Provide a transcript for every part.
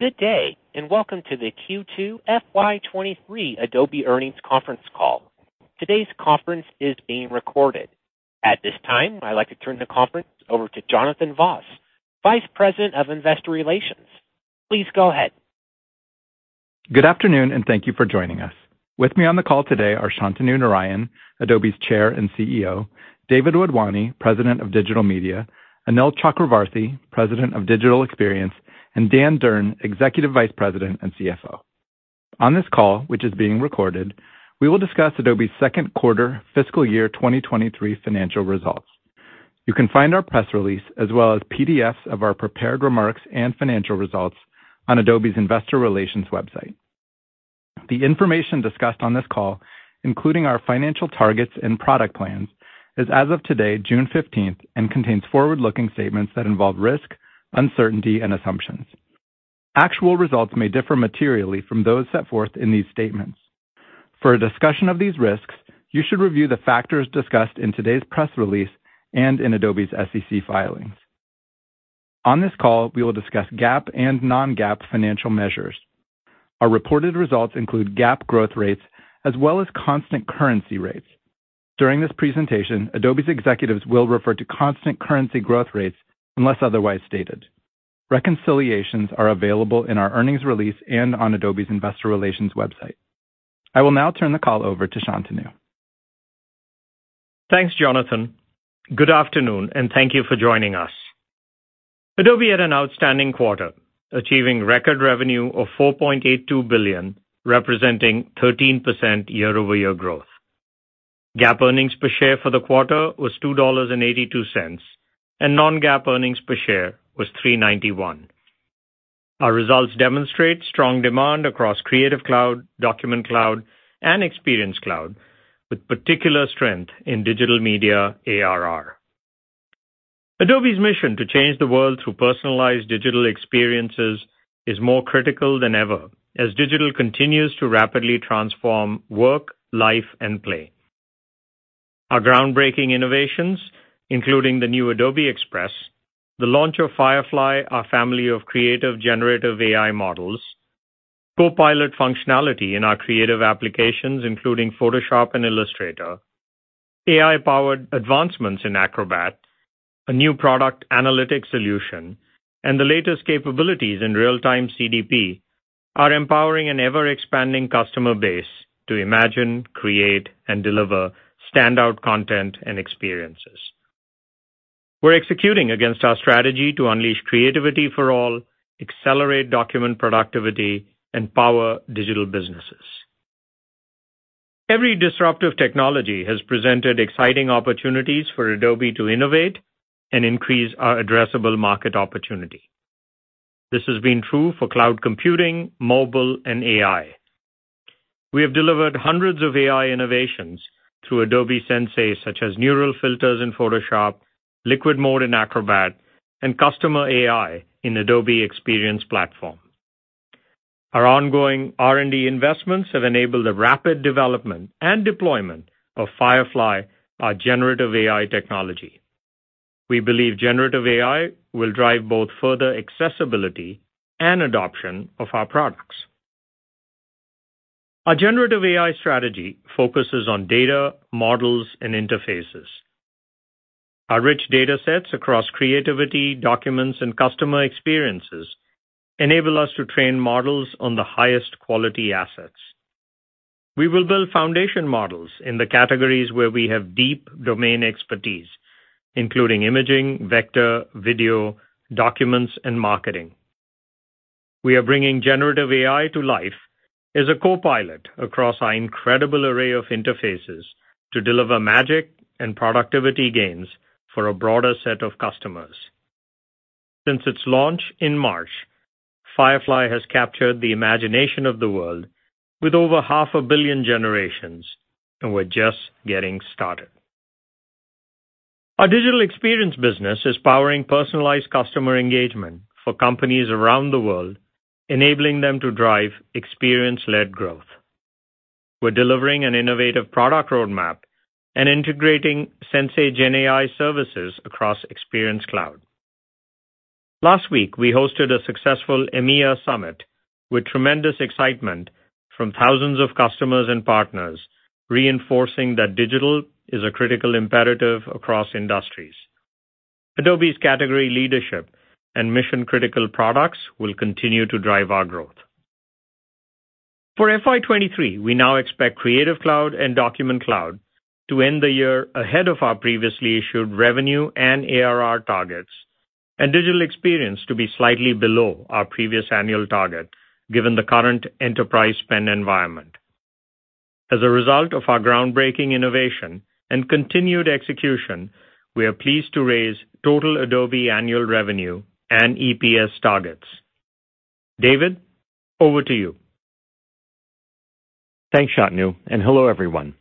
Good day, welcome to the Q2 FY23 Adobe Earnings Conference Call. Today's conference is being recorded. At this time, I'd like to turn the conference over to Jonathan Vaas, Vice President of Investor Relations. Please go ahead. Good afternoon, and thank you for joining us. With me on the call today are Shantanu Narayen, Adobe's Chair and CEO, David Wadhwani, President of Digital Media, Anil Chakravarthy, President of Digital Experience, and Dan Durn, Executive Vice President and CFO. On this call, which is being recorded, we will discuss Adobe's second quarter fiscal year 2023 financial results. You can find our press release, as well as PDFs of our prepared remarks and financial results, on Adobe's Investor Relations website. The information discussed on this call, including our financial targets and product plans, is as of today, June 15th, and contains forward-looking statements that involve risk, uncertainty, and assumptions. Actual results may differ materially from those set forth in these statements. For a discussion of these risks, you should review the factors discussed in today's press release and in Adobe's SEC filings. On this call, we will discuss GAAP and non-GAAP financial measures. Our reported results include GAAP growth rates as well as constant currency rates. During this presentation, Adobe's executives will refer to constant currency growth rates unless otherwise stated. Reconciliations are available in our earnings release and on Adobe's Investor Relations website. I will now turn the call over to Shantanu. Thanks, Jonathan. Good afternoon, thank you for joining us. Adobe had an outstanding quarter, achieving record revenue of $4.82 billion, representing 13% year-over-year growth. GAAP earnings per share for the quarter was $2.82, and non-GAAP earnings per share was $3.91. Our results demonstrate strong demand across Creative Cloud, Document Cloud, and Experience Cloud, with particular strength in digital media ARR. Adobe's mission to change the world through personalized digital experiences is more critical than ever, as digital continues to rapidly transform work, life, and play. Our groundbreaking innovations, including the new Adobe Express, the launch of Firefly, our family of creative, generative AI models, copilot functionality in our creative applications, including Photoshop and Illustrator, AI-powered advancements in Acrobat, a new product analytics solution, and the latest capabilities in Real-Time CDP, are empowering an ever-expanding customer base to imagine, create, and deliver standout content and experiences. We're executing against our strategy to unleash creativity for all, accelerate document productivity, and power digital businesses. Every disruptive technology has presented exciting opportunities for Adobe to innovate and increase our addressable market opportunity. This has been true for cloud computing, mobile, and AI. We have delivered hundreds of AI innovations through Adobe Sensei, such as Neural Filters in Photoshop, Liquid Mode in Acrobat, and Customer AI in Adobe Experience Platform. Our ongoing R&D investments have enabled the rapid development and deployment of Firefly, our generative AI technology. We believe generative AI will drive both further accessibility and adoption of our products. Our generative AI strategy focuses on data, models, and interfaces. Our rich data sets across creativity, documents, and customer experiences enable us to train models on the highest quality assets. We will build foundation models in the categories where we have deep domain expertise, including imaging, vector, video, documents, and marketing. We are bringing generative AI to life as a copilot across our incredible array of interfaces to deliver magic and productivity gains for a broader set of customers. Since its launch in March, Firefly has captured the imagination of the world with over 0.5 billion generations, and we're just getting started. Our digital experience business is powering personalized customer engagement for companies around the world, enabling them to drive experience-led growth. We're delivering an innovative product roadmap and integrating Sensei GenAI services across Experience Cloud. Last week, we hosted a successful EMEA Summit with tremendous excitement from thousands of customers and partners, reinforcing that digital is a critical imperative across industries. Adobe's category, leadership, and mission-critical products will continue to drive our growth. For FY 2023, we now expect Creative Cloud and Document Cloud to end the year ahead of our previously issued revenue and ARR targets, and Digital Experience to be slightly below our previous annual target, given the current enterprise spend environment. As a result of our groundbreaking innovation and continued execution, we are pleased to raise total Adobe annual revenue and EPS targets. David, over to you. Thanks, Shantanu, hello, everyone.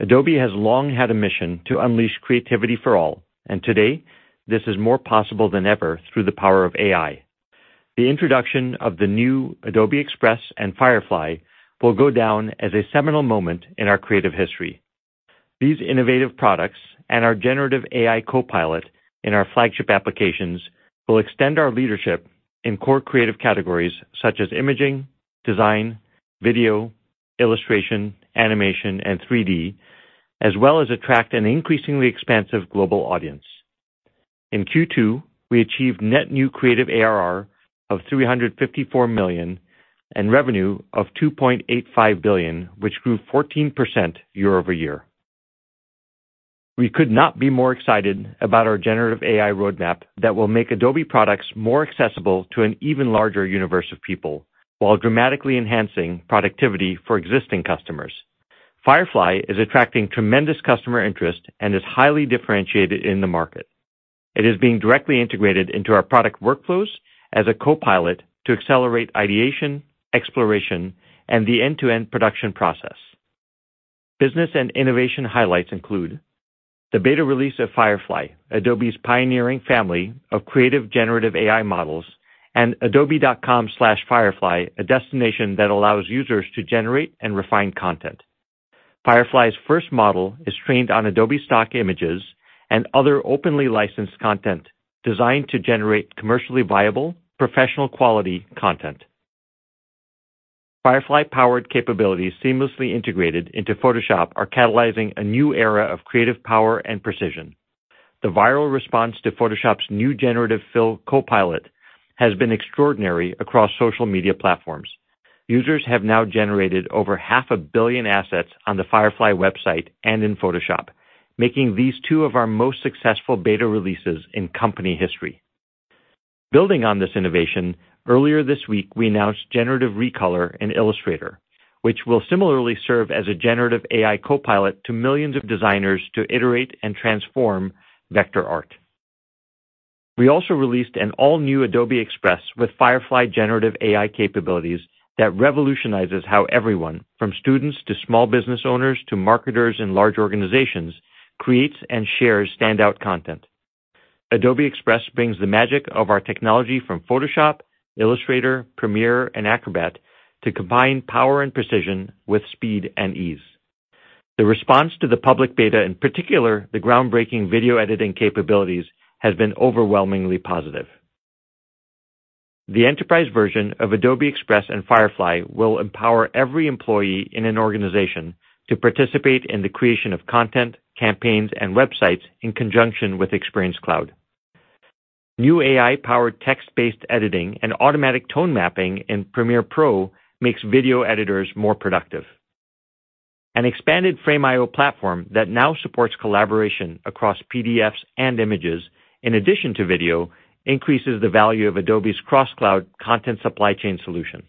Adobe has long had a mission to unleash creativity for all, and today, this is more possible than ever through the power of AI. The introduction of the new Adobe Express and Firefly will go down as a seminal moment in our creative history. These innovative products and our generative AI copilot in our flagship applications will extend our leadership in core creative categories such as imaging, design, video, illustration, animation, and 3D, as well as attract an increasingly expansive global audience. In Q2, we achieved net new creative ARR of $354 million, and revenue of $2.85 billion, which grew 14% year-over-year. We could not be more excited about our generative AI roadmap that will make Adobe products more accessible to an even larger universe of people, while dramatically enhancing productivity for existing customers. Firefly is attracting tremendous customer interest and is highly differentiated in the market. It is being directly integrated into our product workflows as a copilot to accelerate ideation, exploration, and the end-to-end production process. Business and innovation highlights include the beta release of Firefly, Adobe's pioneering family of creative generative AI models, and adobe.com/firefly, a destination that allows users to generate and refine content. Firefly's first model is trained on Adobe Stock images and other openly licensed content designed to generate commercially viable, professional quality content. Firefly-powered capabilities seamlessly integrated into Photoshop are catalyzing a new era of creative power and precision. The viral response to Photoshop's new Generative Fill copilot has been extraordinary across social media platforms. Users have now generated over half a billion assets on the Firefly website and in Photoshop, making these two of our most successful beta releases in company history. Building on this innovation, earlier this week, we announced Generative Recolor in Illustrator, which will similarly serve as a generative AI copilot to millions of designers to iterate and transform vector art. We also released an all-new Adobe Express with Firefly generative AI capabilities that revolutionizes how everyone, from students to small business owners to marketers in large organizations, creates and shares standout content. Adobe Express brings the magic of our technology from Photoshop, Illustrator, Premiere, and Acrobat to combine power and precision with speed and ease. The response to the public beta, in particular, the groundbreaking video editing capabilities, has been overwhelmingly positive. The enterprise version of Adobe Express and Firefly will empower every employee in an organization to participate in the creation of content, campaigns, and websites in conjunction with Experience Cloud. New AI-powered text-based editing and automatic tone mapping in Premiere Pro makes video editors more productive. An expanded Frame.io platform that now supports collaboration across PDFs and images, in addition to video, increases the value of Adobe's Cross Cloud Content Supply Chain solution.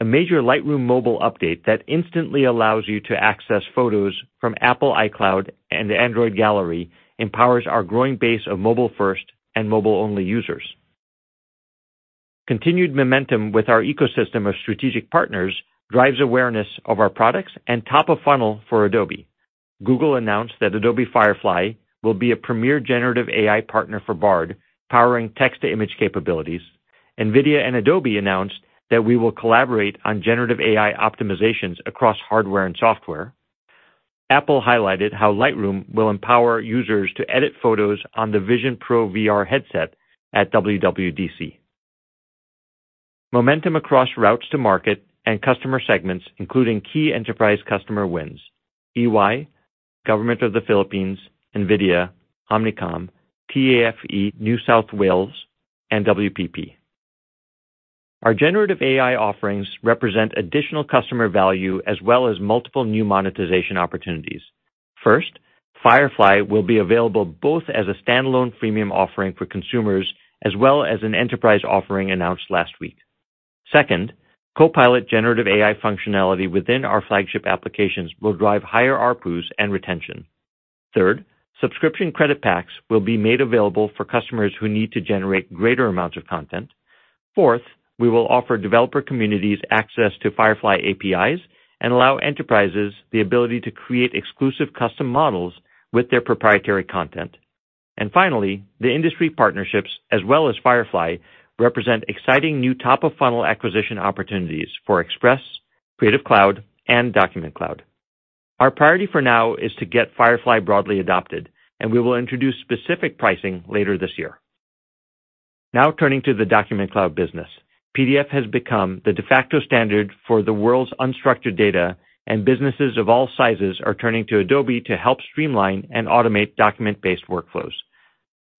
A major Lightroom Mobile update that instantly allows you to access photos from Apple, iCloud, and the Android Gallery empowers our growing base of mobile-first and mobile-only users. Continued momentum with our ecosystem of strategic partners drives awareness of our products and top of funnel for Adobe. Google announced that Adobe Firefly will be a premier generative AI partner for Bard, powering text-to-image capabilities. NVIDIA and Adobe announced that we will collaborate on generative AI optimizations across hardware and software. Apple highlighted how Lightroom will empower users to edit photos on the Vision Pro VR headset at WWDC. Momentum across routes to market and customer segments, including key enterprise customer wins, EY, Government of the Philippines, NVIDIA, Omnicom, TAFE NSW, and WPP. Our generative AI offerings represent additional customer value as well as multiple new monetization opportunities. First, Firefly will be available both as a standalone freemium offering for consumers, as well as an enterprise offering announced last week. Second, copilot generative AI functionality within our flagship applications will drive higher ARPUs and retention. Third, subscription credit packs will be made available for customers who need to generate greater amounts of content. Fourth, we will offer developer communities access to Firefly APIs and allow enterprises the ability to create exclusive custom models with their proprietary content. Finally, the industry partnerships, as well as Firefly, represent exciting new top-of-funnel acquisition opportunities for Express, Creative Cloud, and Document Cloud. Our priority for now is to get Firefly broadly adopted, and we will introduce specific pricing later this year. Now, turning to the Document Cloud business. PDF has become the de facto standard for the world's unstructured data, and businesses of all sizes are turning to Adobe to help streamline and automate document-based workflows.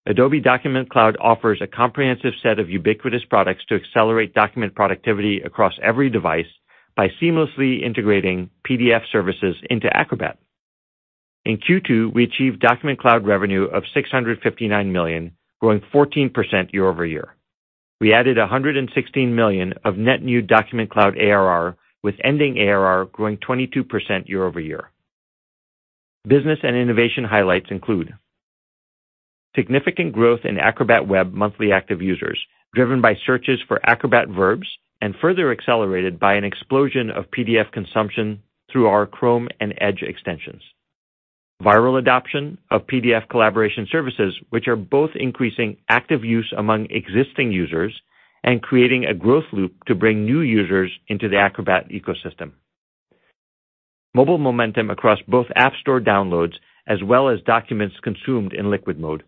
Adobe Document Cloud offers a comprehensive set of ubiquitous products to accelerate document productivity across every device by seamlessly integrating PDF services into Acrobat. In Q2, we achieved Document Cloud revenue of $659 million, growing 14% year-over-year. We added $116 million of net new Document Cloud ARR, with ending ARR growing 22% year-over-year. Business and innovation highlights include significant growth in Acrobat Web monthly active users, driven by searches for Acrobat verbs and further accelerated by an explosion of PDF consumption through our Chrome and Edge extensions. Viral adoption of PDF collaboration services, which are both increasing active use among existing users and creating a growth loop to bring new users into the Acrobat ecosystem. Mobile momentum across both app store downloads as well as documents consumed in Liquid Mode.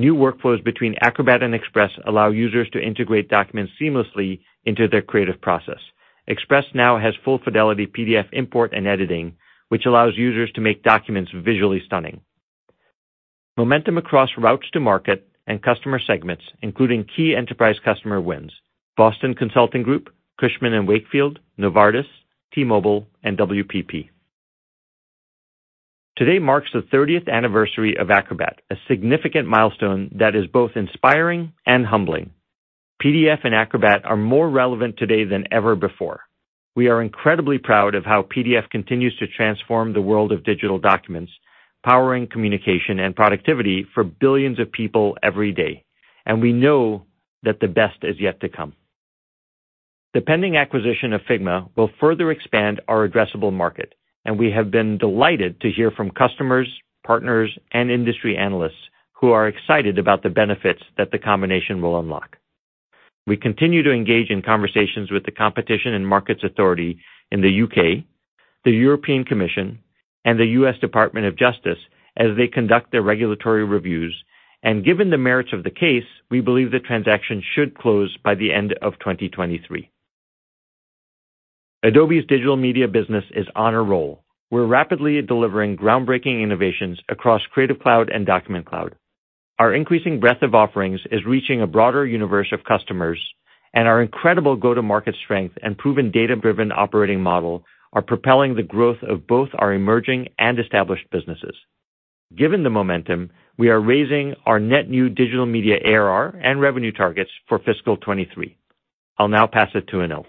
New workflows between Acrobat and Express allow users to integrate documents seamlessly into their creative process. Express now has full fidelity PDF import and editing, which allows users to make documents visually stunning. Momentum across routes to market and customer segments, including key enterprise customer wins: Boston Consulting Group, Cushman & Wakefield, Novartis, T-Mobile, and WPP. Today marks the 30th anniversary of Acrobat, a significant milestone that is both inspiring and humbling. PDF and Acrobat are more relevant today than ever before. We are incredibly proud of how PDF continues to transform the world of digital documents, powering communication and productivity for billions of people every day, and we know that the best is yet to come. The pending acquisition of Figma will further expand our addressable market, and we have been delighted to hear from customers, partners, and industry analysts who are excited about the benefits that the combination will unlock. We continue to engage in conversations with the Competition and Markets Authority in the UK, the European Commission, and the US Department of Justice as they conduct their regulatory reviews, and given the merits of the case, we believe the transaction should close by the end of 2023. Adobe's Digital Media business is on a roll. We're rapidly delivering groundbreaking innovations across Creative Cloud and Document Cloud. Our increasing breadth of offerings is reaching a broader universe of customers, our incredible go-to-market strength and proven data-driven operating model are propelling the growth of both our emerging and established businesses. Given the momentum, we are raising our net new Digital Media ARR and revenue targets for fiscal 23. I'll now pass it to Anil.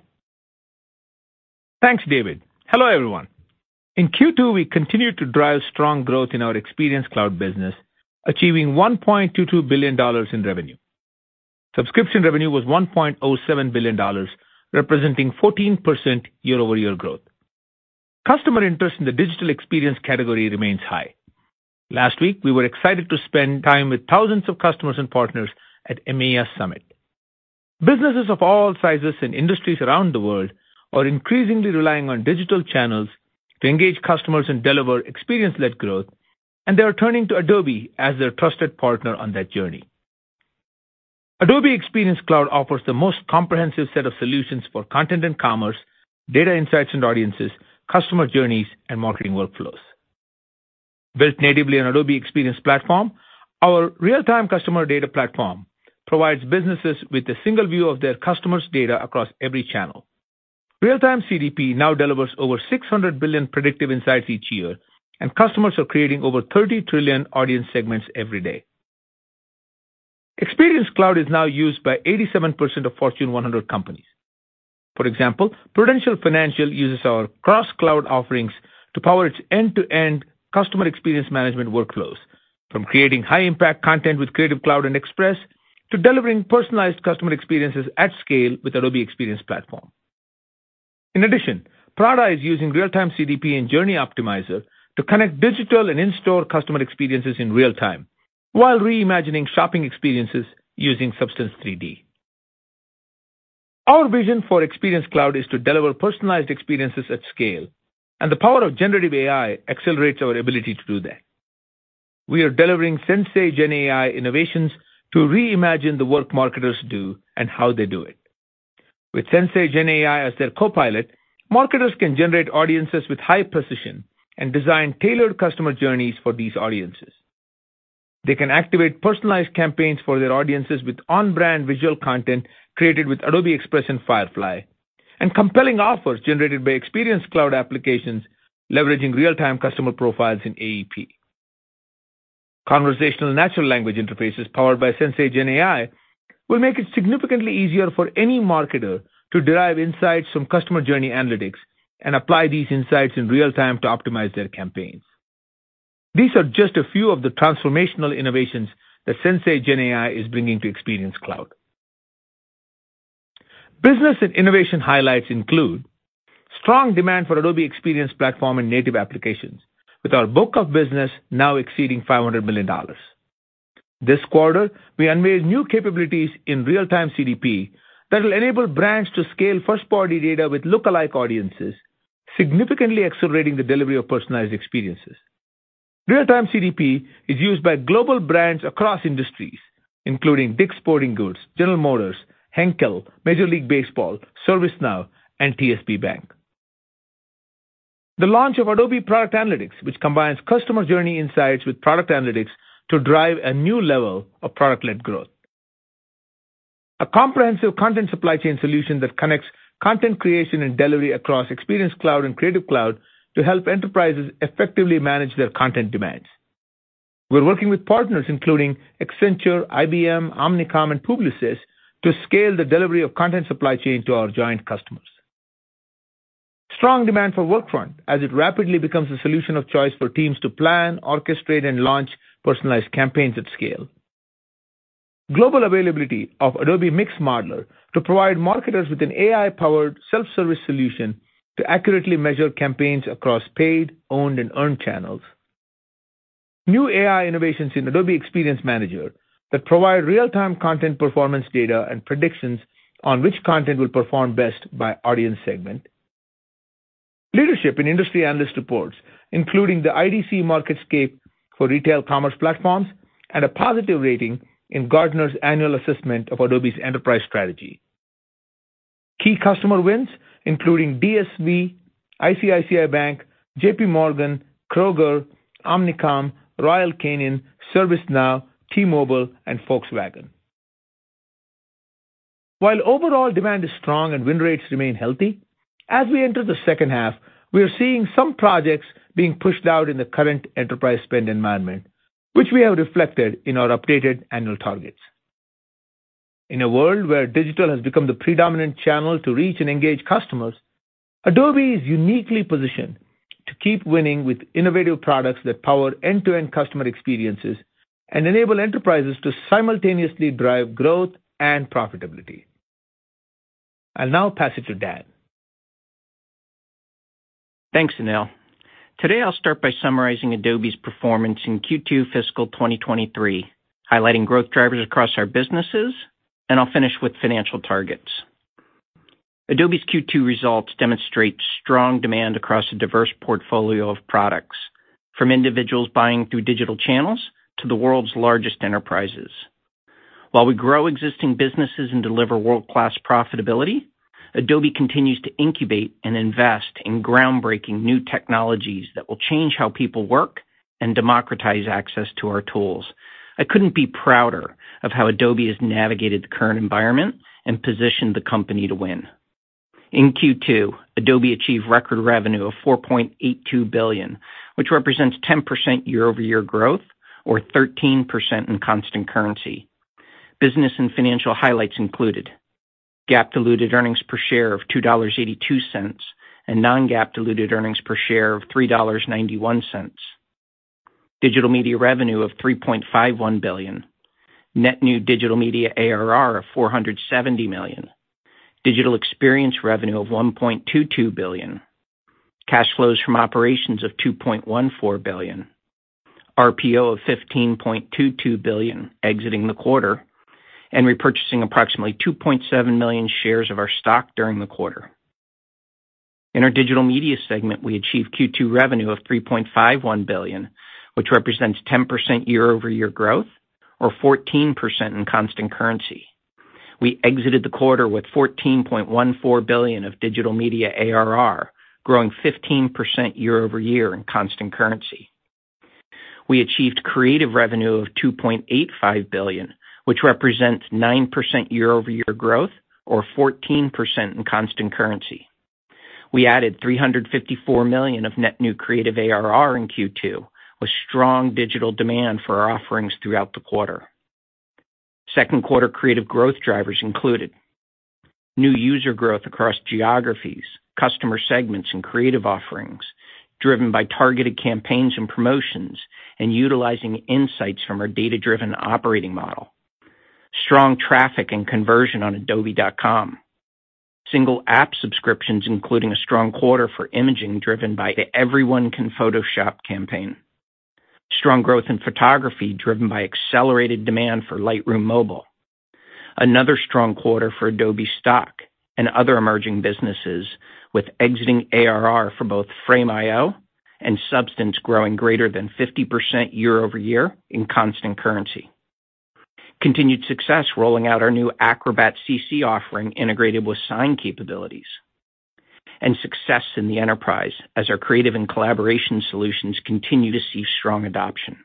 Thanks, David. Hello, everyone. In Q2, we continued to drive strong growth in our Experience Cloud business, achieving $1.22 billion in revenue. Subscription revenue was $1.07 billion, representing 14% year-over-year growth. Customer interest in the digital experience category remains high. Last week, we were excited to spend time with thousands of customers and partners at EMEA Summit. Businesses of all sizes and industries around the world are increasingly relying on digital channels to engage customers and deliver experience-led growth. They are turning to Adobe as their trusted partner on that journey. Adobe Experience Cloud offers the most comprehensive set of solutions for content and commerce, data insights and audiences, customer journeys, and marketing workflows. Built natively on Adobe Experience Platform, our real-time customer data platform provides businesses with a single view of their customers' data across every channel. Real-Time CDP now delivers over 600 billion predictive insights each year. Customers are creating over 30 trillion audience segments every day. Experience Cloud is now used by 87% of Fortune 100 companies. For example, Prudential Financial uses our cross-cloud offerings to power its end-to-end customer experience management workflows, from creating high-impact content with Creative Cloud and Express, to delivering personalized customer experiences at scale with Adobe Experience Platform. In addition, Prada is using Real-Time CDP and Journey Optimizer to connect digital and in-store customer experiences in real time, while reimagining shopping experiences using Substance 3D. Our vision for Experience Cloud is to deliver personalized experiences at scale. The power of generative AI accelerates our ability to do that. We are delivering Sensei GenAI innovations to reimagine the work marketers do and how they do it. With Sensei GenAI as their copilot, marketers can generate audiences with high precision and design tailored customer journeys for these audiences. They can activate personalized campaigns for their audiences with on-brand visual content created with Adobe Express and Firefly, and compelling offers generated by Experience Cloud applications, leveraging real-time customer profiles in AEP. Conversational natural language interfaces powered by Sensei GenAI will make it significantly easier for any marketer to derive insights from Customer Journey Analytics and apply these insights in real time to optimize their campaigns. These are just a few of the transformational innovations that Sensei GenAI is bringing to Experience Cloud. Business and innovation highlights include strong demand for Adobe Experience Platform and native applications, with our book of business now exceeding $500 million. This quarter, we unveiled new capabilities in Real-Time CDP that will enable brands to scale first-party data with lookalike audiences, significantly accelerating the delivery of personalized experiences. General Motors, Henkel, Major League Baseball, ServiceNow, and TSB Bank. The launch of Adobe Product Analytics, which combines customer journey insights with product analytics to drive a new level of product-led growth. A comprehensive Content Supply Chain solution that connects content creation and delivery across Experience Cloud and Creative Cloud to help enterprises effectively manage their content demands. We're working with partners including Accenture, IBM, Omnicom, and Publicis to scale the delivery of Content Supply Chain to our joint customers. Strong demand for Workfront as it rapidly becomes the solution of choice for teams to plan, orchestrate, and launch personalized campaigns at scale. Global availability of Adobe Mix Modeler to provide marketers with an AI-powered self-service solution to accurately measure campaigns across paid, owned, and earned channels. New AI innovations in Adobe Experience Manager that provide real-time content performance data and predictions on which content will perform best by audience segment. Leadership in industry analyst reports, including the IDC MarketScape for Retail Commerce Platforms and a positive rating in Gartner's annual assessment of Adobe's enterprise strategy. Key customer wins, including DSV, ICICI Bank, JP Morgan, Kroger, Omnicom, Royal Canin, ServiceNow, T-Mobile, and Volkswagen. While overall demand is strong and win rates remain healthy, as we enter the second half, we are seeing some projects being pushed out in the current enterprise spend environment, which we have reflected in our updated annual targets. In a world where digital has become the predominant channel to reach and engage customers, Adobe is uniquely positioned to keep winning with innovative products that power end-to-end customer experiences and enable enterprises to simultaneously drive growth and profitability. I'll now pass it to Dan. Thanks, Anil. Today, I'll start by summarizing Adobe's performance in Q2 fiscal 2023, highlighting growth drivers across our businesses, and I'll finish with financial targets. Adobe's Q2 results demonstrate strong demand across a diverse portfolio of products, from individuals buying through digital channels to the world's largest enterprises. While we grow existing businesses and deliver world-class profitability, Adobe continues to incubate and invest in groundbreaking new technologies that will change how people work and democratize access to our tools. I couldn't be prouder of how Adobe has navigated the current environment and positioned the company to win. In Q2, Adobe achieved record revenue of $4.82 billion, which represents 10% year-over-year growth or 13% in constant currency. Business and financial highlights included: GAAP diluted earnings per share of $2.82 and non-GAAP diluted earnings per share of $3.91. Digital Media revenue of $3.51 billion. Net new Digital Media ARR of $470 million. Digital Experience revenue of $1.22 billion. Cash flows from operations of $2.14 billion. RPO of $15.22 billion, exiting the quarter, and repurchasing approximately 2.7 million shares of our stock during the quarter. In our Digital Media segment, we achieved Q2 revenue of $3.51 billion, which represents 10% year-over-year growth or 14% in constant currency. We exited the quarter with $14.14 billion of Digital Media ARR, growing 15% year-over-year in constant currency. We achieved creative revenue of $2.85 billion, which represents 9% year-over-year growth or 14% in constant currency. We added $354 million of net new Creative ARR in Q2, with strong digital demand for our offerings throughout the quarter. Second quarter Creative growth drivers included new user growth across geographies, customer segments, and Creative offerings, driven by targeted campaigns and promotions and utilizing insights from our data-driven operating model. Strong traffic and conversion on adobe.com. Single app subscriptions, including a strong quarter for imaging, driven by the Everyone Can Photoshop campaign. Strong growth in photography, driven by accelerated demand for Lightroom Mobile. Another strong quarter for Adobe Stock and other emerging businesses, with exiting ARR for both Frame.io and Substance growing greater than 50% year-over-year in constant currency. Continued success rolling out our new Acrobat CC offering, integrated with sign capabilities, and success in the enterprise as our Creative and collaboration solutions continue to see strong adoption.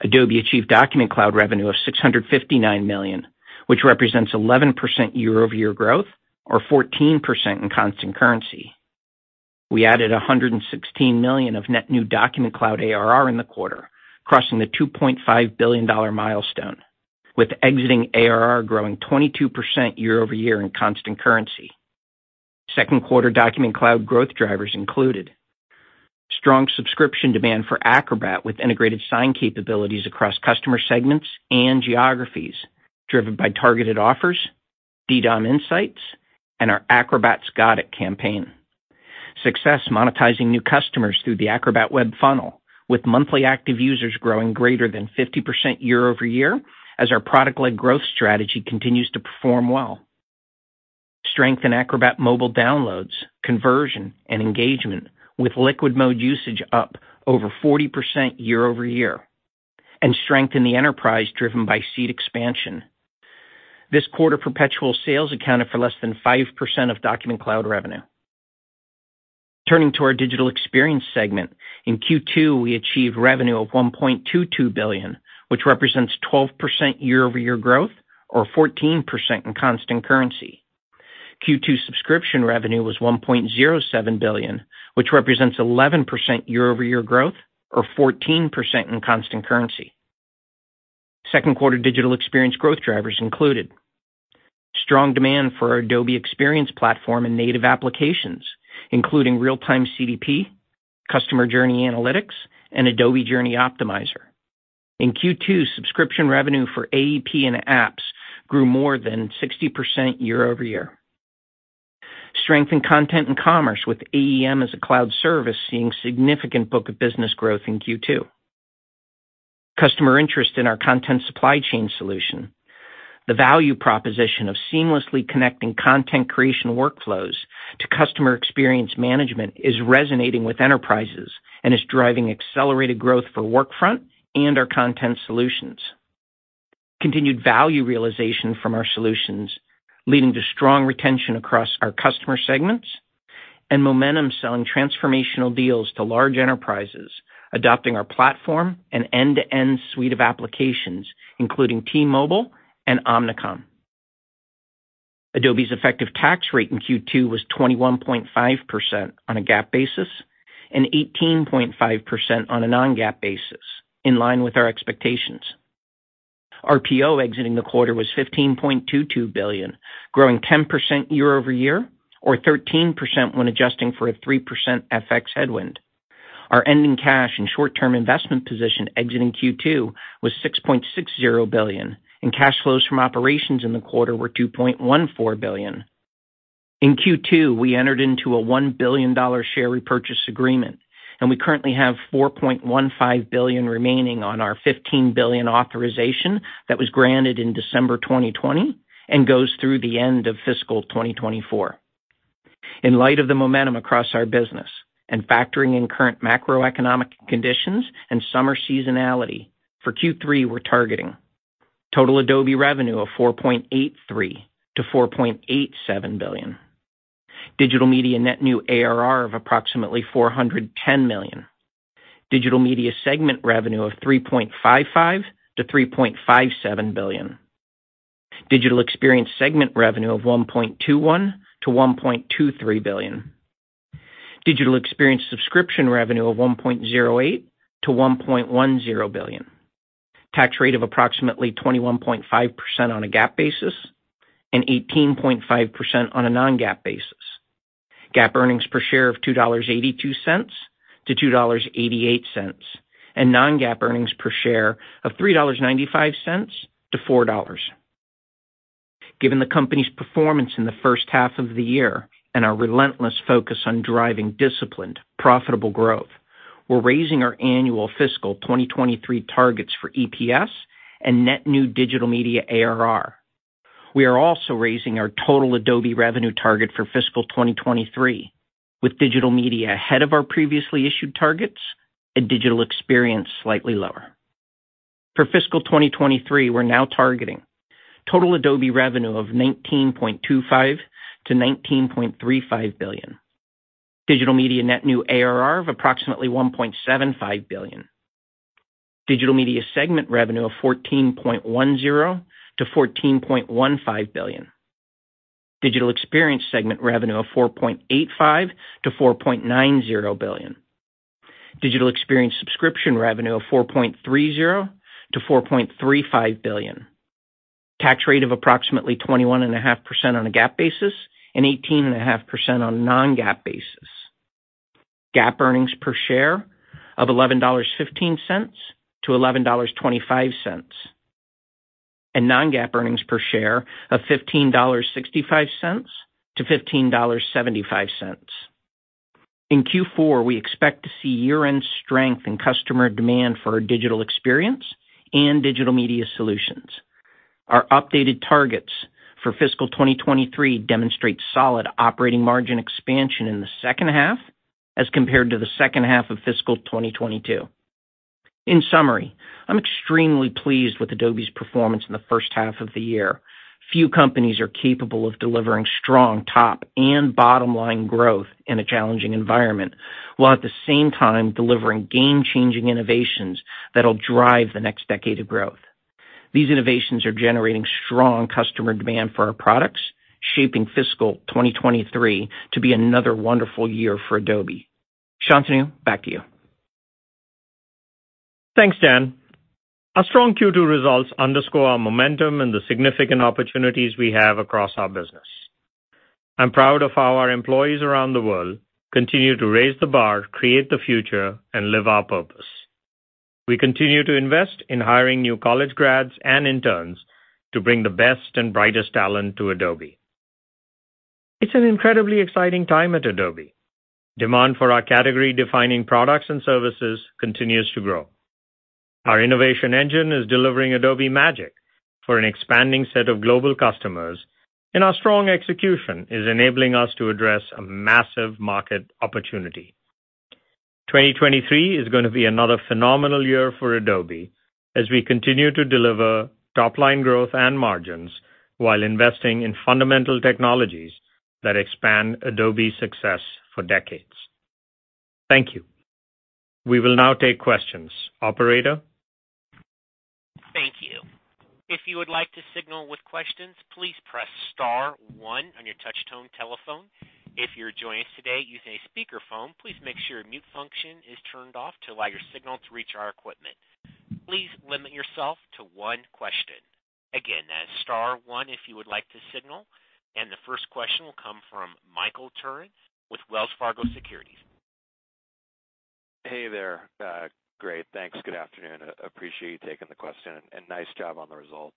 Adobe achieved Document Cloud revenue of $659 million, which represents 11% year-over-year growth or 14% in constant currency. We added $116 million of net new Document Cloud ARR in the quarter, crossing the $2.5 billion milestone, with exiting ARR growing 22% year-over-year in constant currency. Second quarter Document Cloud growth drivers included strong subscription demand for Acrobat, with integrated sign capabilities across customer segments and geographies, driven by targeted offers, DDOM insights, and our Acrobat's Got It campaign. Success monetizing new customers through the Acrobat web funnel, with monthly active users growing greater than 50% year-over-year, as our product-led growth strategy continues to perform well. Strength in Acrobat mobile downloads, conversion, and engagement, with Liquid Mode usage up over 40% year-over-year, and strength in the enterprise, driven by seat expansion. This quarter, perpetual sales accounted for less than 5% of Document Cloud revenue. Turning to our Digital Experience segment, in Q2, we achieved revenue of $1.22 billion, which represents 12% year-over-year growth or 14% in constant currency. Q2 subscription revenue was $1.07 billion, which represents 11% year-over-year growth or 14% in constant currency. Second quarter Digital Experience growth drivers included: Strong demand for our Adobe Experience Platform and native applications, including Real-Time CDP, Customer Journey Analytics, and Adobe Journey Optimizer. In Q2, subscription revenue for AEP and apps grew more than 60% year-over-year. Strength in content and commerce, with AEM as a cloud service, seeing significant book of business growth in Q2. Customer interest in our Content Supply Chain solution. The value proposition of seamlessly connecting content creation workflows to customer experience management is resonating with enterprises and is driving accelerated growth for Workfront and our content solutions. Continued value realization from our solutions, leading to strong retention across our customer segments, and momentum selling transformational deals to large enterprises, adopting our platform and end-to-end suite of applications, including T-Mobile and Omnicom. Adobe's effective tax rate in Q2 was 21.5% on a GAAP basis, and 18.5% on a non-GAAP basis, in line with our expectations. Our RPO exiting the quarter was $15.22 billion, growing 10% year-over-year or 13% when adjusting for a 3% FX headwind. Our ending cash and short-term investment position exiting Q2 was $6.60 billion, and cash flows from operations in the quarter were $2.14 billion. In Q2, we entered into a $1 billion share repurchase agreement. We currently have $4.15 billion remaining on our $15 billion authorization that was granted in December 2020 and goes through the end of fiscal 2024. In light of the momentum across our business and factoring in current macroeconomic conditions and summer seasonality, for Q3, we're targeting: total Adobe revenue of $4.83 to 4.87 billion, Digital Media net new ARR of approximately $410 million, Digital Media segment revenue of $3.55 to 3.57 billion, Digital Experience segment revenue of $1.21 to 1.23 billion, Digital Experience subscription revenue of $1.08 to 1.10 billion, tax rate of approximately 21.5% on a GAAP basis and 18.5% on a non-GAAP basis, GAAP earnings per share of $2.82 to 2.88, and non-GAAP earnings per share of $3.95 to 4.00. Given the company's performance in the first half of the year and our relentless focus on driving disciplined, profitable growth, we're raising our annual fiscal 2023 targets for EPS and net new Digital Media ARR. We are also raising our total Adobe revenue target for fiscal 2023, with Digital Media ahead of our previously issued targets and Digital Experience slightly lower. For fiscal 2023, we're now targeting total Adobe revenue of $19.25 to 19.35 billion, Digital Media net new ARR of approximately $1.75 billion, Digital Media segment revenue of $14.10 to 14.15 billion, Digital Experience segment revenue of $4.85 to 4.90 billion, Digital Experience subscription revenue of $4.30 to 4.35 billion, tax rate of approximately 21.5% on a GAAP basis and 18.5% on a non-GAAP basis, GAAP earnings per share of $11.15 to 11.25, non-GAAP earnings per share of $15.65 to 15.75. In Q4, we expect to see year-end strength in customer demand for our Digital Experience and Digital Media solutions. Our updated targets for fiscal 2023 demonstrate solid operating margin expansion in the second half as compared to the second half of fiscal 2022. In summary, I'm extremely pleased with Adobe's performance in the first half of the year. Few companies are capable of delivering strong top and bottom-line growth in a challenging environment, while at the same time delivering game-changing innovations that'll drive the next decade of growth. These innovations are generating strong customer demand for our products, shaping fiscal 2023 to be another wonderful year for Adobe. Shantanu, back to you. Thanks, Dan. Our strong Q2 results underscore our momentum and the significant opportunities we have across our business. I'm proud of how our employees around the world continue to raise the bar, create the future, and live our purpose. We continue to invest in hiring new college grads and interns to bring the best and brightest talent to Adobe. It's an incredibly exciting time at Adobe. Demand for our category-defining products and services continues to grow. Our innovation engine is delivering Adobe Magic for an expanding set of global customers, and our strong execution is enabling us to address a massive market opportunity. 2023 is going to be another phenomenal year for Adobe as we continue to deliver top-line growth and margins while investing in fundamental technologies that expand Adobe's success for decades. Thank you. We will now take questions. Operator? Thank you. If you would like to signal with questions, please press star one on your touch tone telephone. you're joining us today using a speakerphone, please make sure your mute function is turned off to allow your signal to reach our equipment. Please limit yourself to one question. Again, that's star one if you would like to signal, and the first question will come from Michael Turrin with Wells Fargo Securities. Hey there. Great, thanks. Good afternoon. Appreciate you taking the question. Nice job on the results.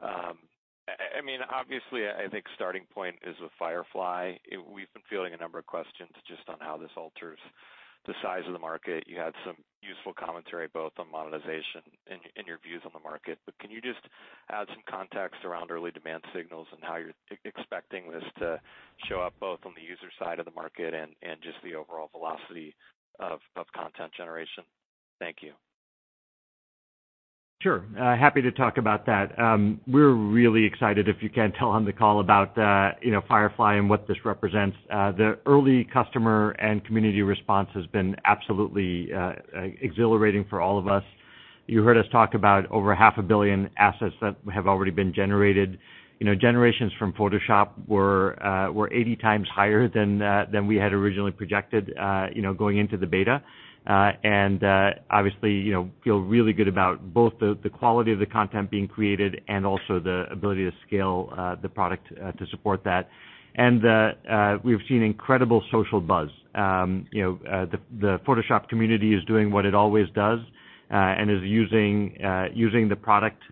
I mean, obviously, I think starting point is with Firefly. We've been fielding a number of questions just on how this alters the size of the market. You had some useful commentary, both on monetization and your views on the market. Can you just add some context around early demand signals and how you're expecting this to show up, both on the user side of the market and just the overall velocity of content generation? Thank you. Sure. happy to talk about that. We're really excited, if you can't tell on the call, about, you know, Firefly and what this represents. The early customer and community response has been absolutely exhilarating for all of us. You heard us talk about over half a billion assets that have already been generated. You know, generations from Photoshop were 80 times higher than we had originally projected, you know, going into the beta. Obviously, you know, feel really good about both the quality of the content being created and also the ability to scale the product to support that. We've seen incredible social buzz. You know, the Photoshop community is doing what it always does, and is using the product,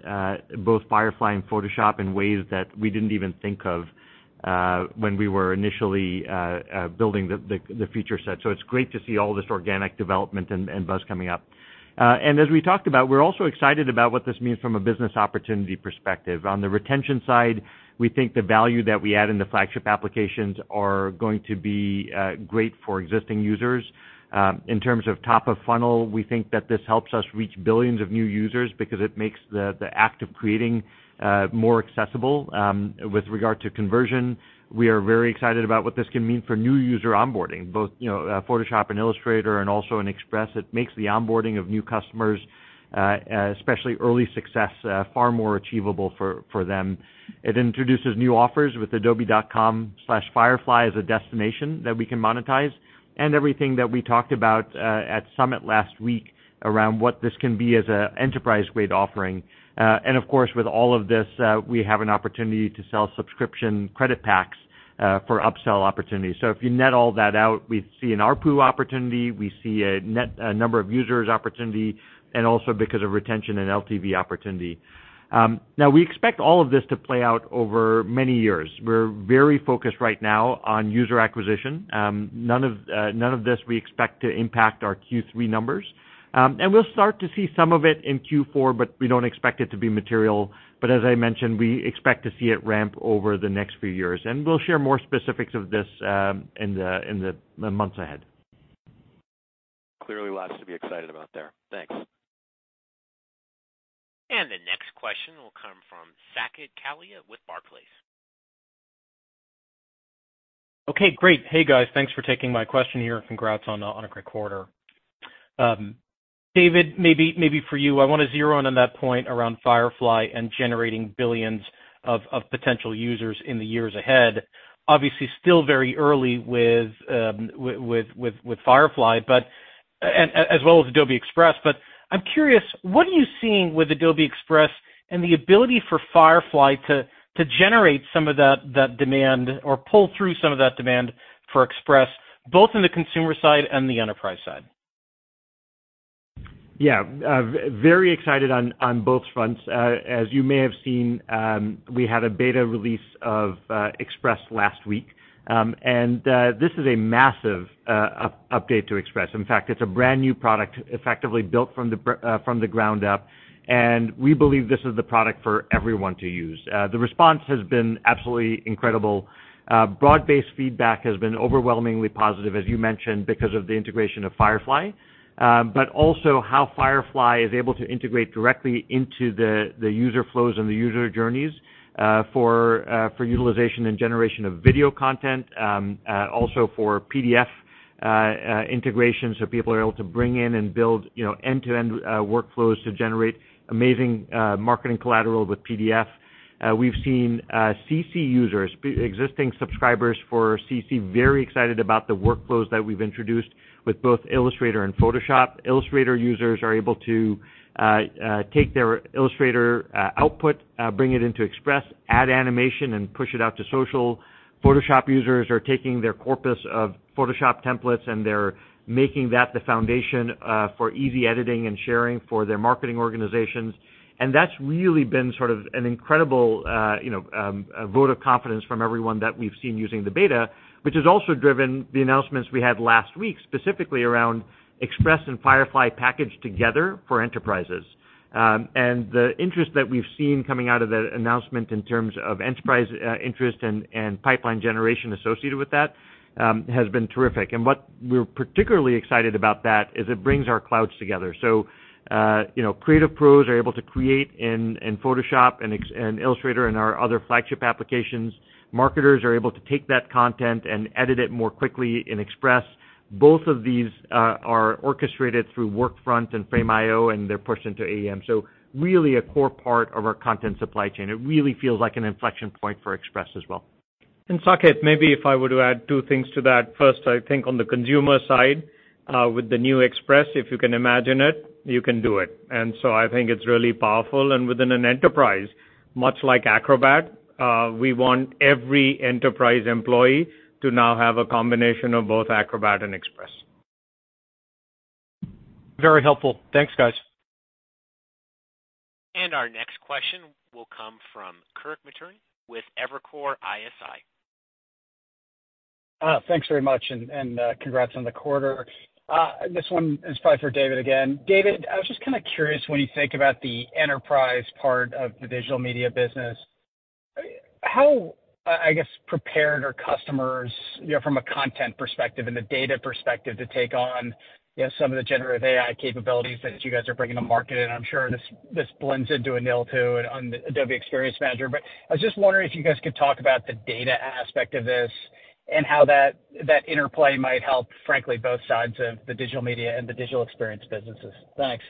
both Firefly and Photoshop, in ways that we didn't even think of when we were initially building the feature set. It's great to see all this organic development and buzz coming up. As we talked about, we're also excited about what this means from a business opportunity perspective. On the retention side, we think the value that we add in the flagship applications are going to be great for existing users. In terms of top of funnel, we think that this helps us reach billions of new users because it makes the act of creating more accessible. With regard to conversion, we are very excited about what this can mean for new user onboarding, both, you know, Photoshop and Illustrator and also in Express. It makes the onboarding of new customers, especially early success, far more achievable for them. It introduces new offers with adobe.com/firefly as a destination that we can monetize, and everything that we talked about at Summit last week around what this can be as a enterprise-grade offering. Of course, with all of this, we have an opportunity to sell subscription credit packs for upsell opportunities. If you net all that out, we see an ARPU opportunity, we see a net number of users opportunity, and also because of retention and LTV opportunity. Now we expect all of this to play out over many years. We're very focused right now on user acquisition. None of, none of this we expect to impact our Q3 numbers. We'll start to see some of it in Q4, but we don't expect it to be material. As I mentioned, we expect to see it ramp over the next few years, and we'll share more specifics of this, in the, in the months ahead. Clearly, lots to be excited about there. Thanks. The next question will come from Saket Kalia with Barclays. Okay, great. Hey, guys. Thanks for taking my question here. Congrats on a great quarter. David, maybe for you, I want to zero in on that point around Firefly and generating billions of potential users in the years ahead. Obviously, still very early with Firefly, as well as Adobe Express. I'm curious, what are you seeing with Adobe Express and the ability for Firefly to generate some of that demand or pull through some of that demand for Express, both in the consumer side and the enterprise side? Yeah. Very excited on both fronts. As you may have seen, we had a beta release of Express last week, and this is a massive update to Express. In fact, it's a brand-new product, effectively built from the ground up, and we believe this is the product for everyone to use. The response has been absolutely incredible. Broad-based feedback has been overwhelmingly positive, as you mentioned, because of the integration of Firefly, but also how Firefly is able to integrate directly into the user flows and the user journeys for utilization and generation of video content, also for PDF integration, so people are able to bring in and build, you know, end-to-end workflows to generate amazing marketing collateral with PDF. We've seen CC users, existing subscribers for CC, very excited about the workflows that we've introduced with both Illustrator and Photoshop. Illustrator users are able to take their Illustrator output, bring it into Express, add animation, and push it out to social. Photoshop users are taking their corpus of Photoshop templates, and they're making that the foundation for easy editing and sharing for their marketing organizations. That's really been sort of an incredible, you know, a vote of confidence from everyone that we've seen using the beta, which has also driven the announcements we had last week, specifically around Express and Firefly packaged together for enterprises. The interest that we've seen coming out of that announcement in terms of enterprise interest and pipeline generation associated with that has been terrific. What we're particularly excited about that is it brings our clouds together. You know, creative pros are able to create in Photoshop and Illustrator and our other flagship applications. Marketers are able to take that content and edit it more quickly in Express. Both of these are orchestrated through Workfront and Frame.io, and they're pushed into AEM. Really a core part of our Content Supply Chain. It really feels like an inflection point for Express as well. Saket, maybe if I were to add two things to that. First, I think on the consumer side, with the new Express, if you can imagine it, you can do it. I think it's really powerful. Within an enterprise, much like Acrobat, we want every enterprise employee to now have a combination of both Acrobat and Express. Very helpful. Thanks, guys. Our next question will come from Kirk Materne with Evercore ISI. Thanks very much, and congrats on the quarter. This one is probably for David again. David, I was just kind of curious, when you think about the enterprise part of the visual media business, how, I guess, prepared are customers from a content perspective and the data perspective to take on some of the generative AI capabilities that you guys are bringing to market? I'm sure this blends into Anil, too, on the Adobe Experience Manager. I was just wondering if you guys could talk about the data aspect of this, and how that interplay might help, frankly, both sides of the Digital Media and the Digital Experience businesses. Thanks.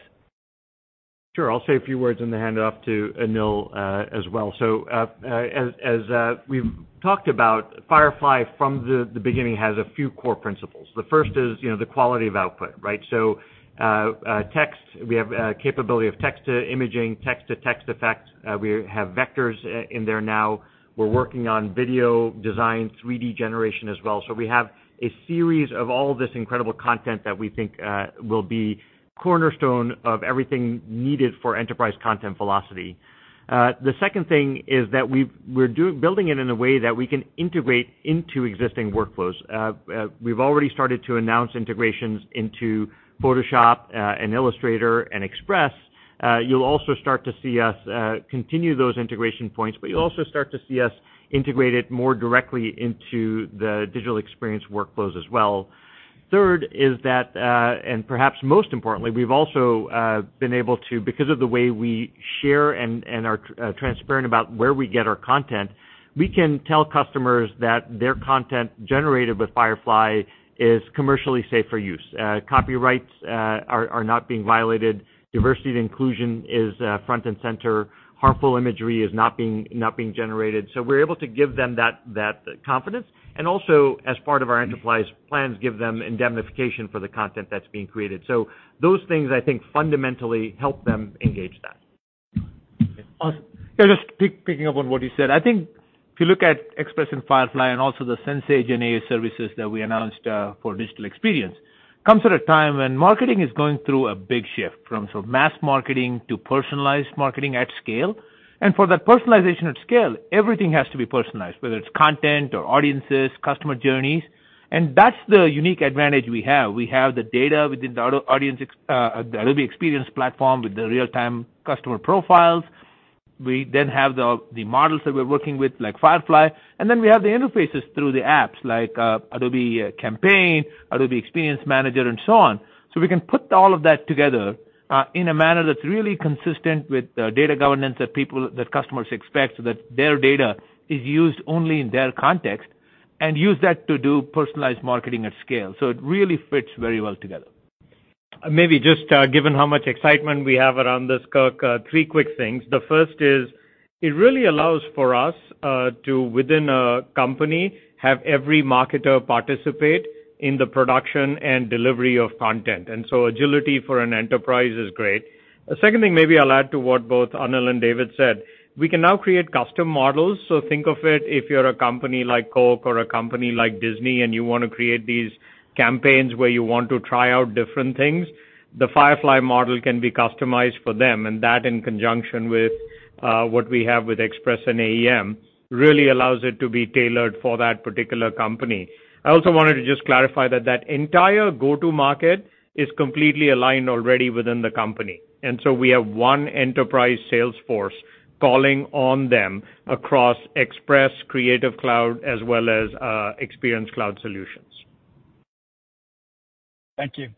Sure. I'll say a few words and then hand it off to Anil as well. As we've talked about, Firefly from the beginning, has a few core principles. The first is, you know, the quality of output, right? text, we have capability of text to imaging, text to text effects. We have vectors in there now. We're working on video design, 3D generation as well. We have a series of all this incredible content that we think will be cornerstone of everything needed for enterprise content velocity. The second thing is that we're building it in a way that we can integrate into existing workflows. We've already started to announce integrations into Photoshop and Illustrator and Express. You'll also start to see us continue those integration points, you'll also start to see us integrate it more directly into the digital experience workflows as well. Third is that, perhaps most importantly, we've also been able to, because of the way we share and are transparent about where we get our content, we can tell customers that their content generated with Firefly is commercially safe for use. Copyrights are not being violated, diversity and inclusion is front and center, harmful imagery is not being generated. We're able to give them that confidence, and also, as part of our enterprise plans, give them indemnification for the content that's being created. Those things, I think, fundamentally help them engage that. Awesome. Yeah, just picking up on what you said. I think if you look at Adobe Express and Firefly and also the Sensei GenAI services that we announced for digital experience, comes at a time when marketing is going through a big shift from sort of mass marketing to personalized marketing at scale. For that personalization at scale, everything has to be personalized, whether it's content or audiences, customer journeys. That's the unique advantage we have. We have the data within the Adobe Experience Platform with the real-time customer profiles. We then have the models that we're working with, like Firefly, and then we have the interfaces through the apps like Adobe Campaign, Adobe Experience Manager, and so on. We can put all of that together, in a manner that's really consistent with, data governance that people, that customers expect, so that their data is used only in their context, and use that to do personalized marketing at scale. It really fits very well together. Maybe just, given how much excitement we have around this, Kirk, three quick things. The first is, it really allows for us, to, within a company, have every marketer participate in the production and delivery of content, and so agility for an enterprise is great. The second thing, maybe I'll add to what both Anil and David said. We can now create custom models. Think of it, if you're a company like Coke or a company like Disney, and you want to create these campaigns where you want to try out different things, the Firefly model can be customized for them, and that in conjunction with what we have with Express and AEM, really allows it to be tailored for that particular company. I also wanted to just clarify that that entire go-to market is completely aligned already within the company, we have one enterprise sales force calling on them across Express, Creative Cloud, as well as Experience Cloud solutions. Thank you.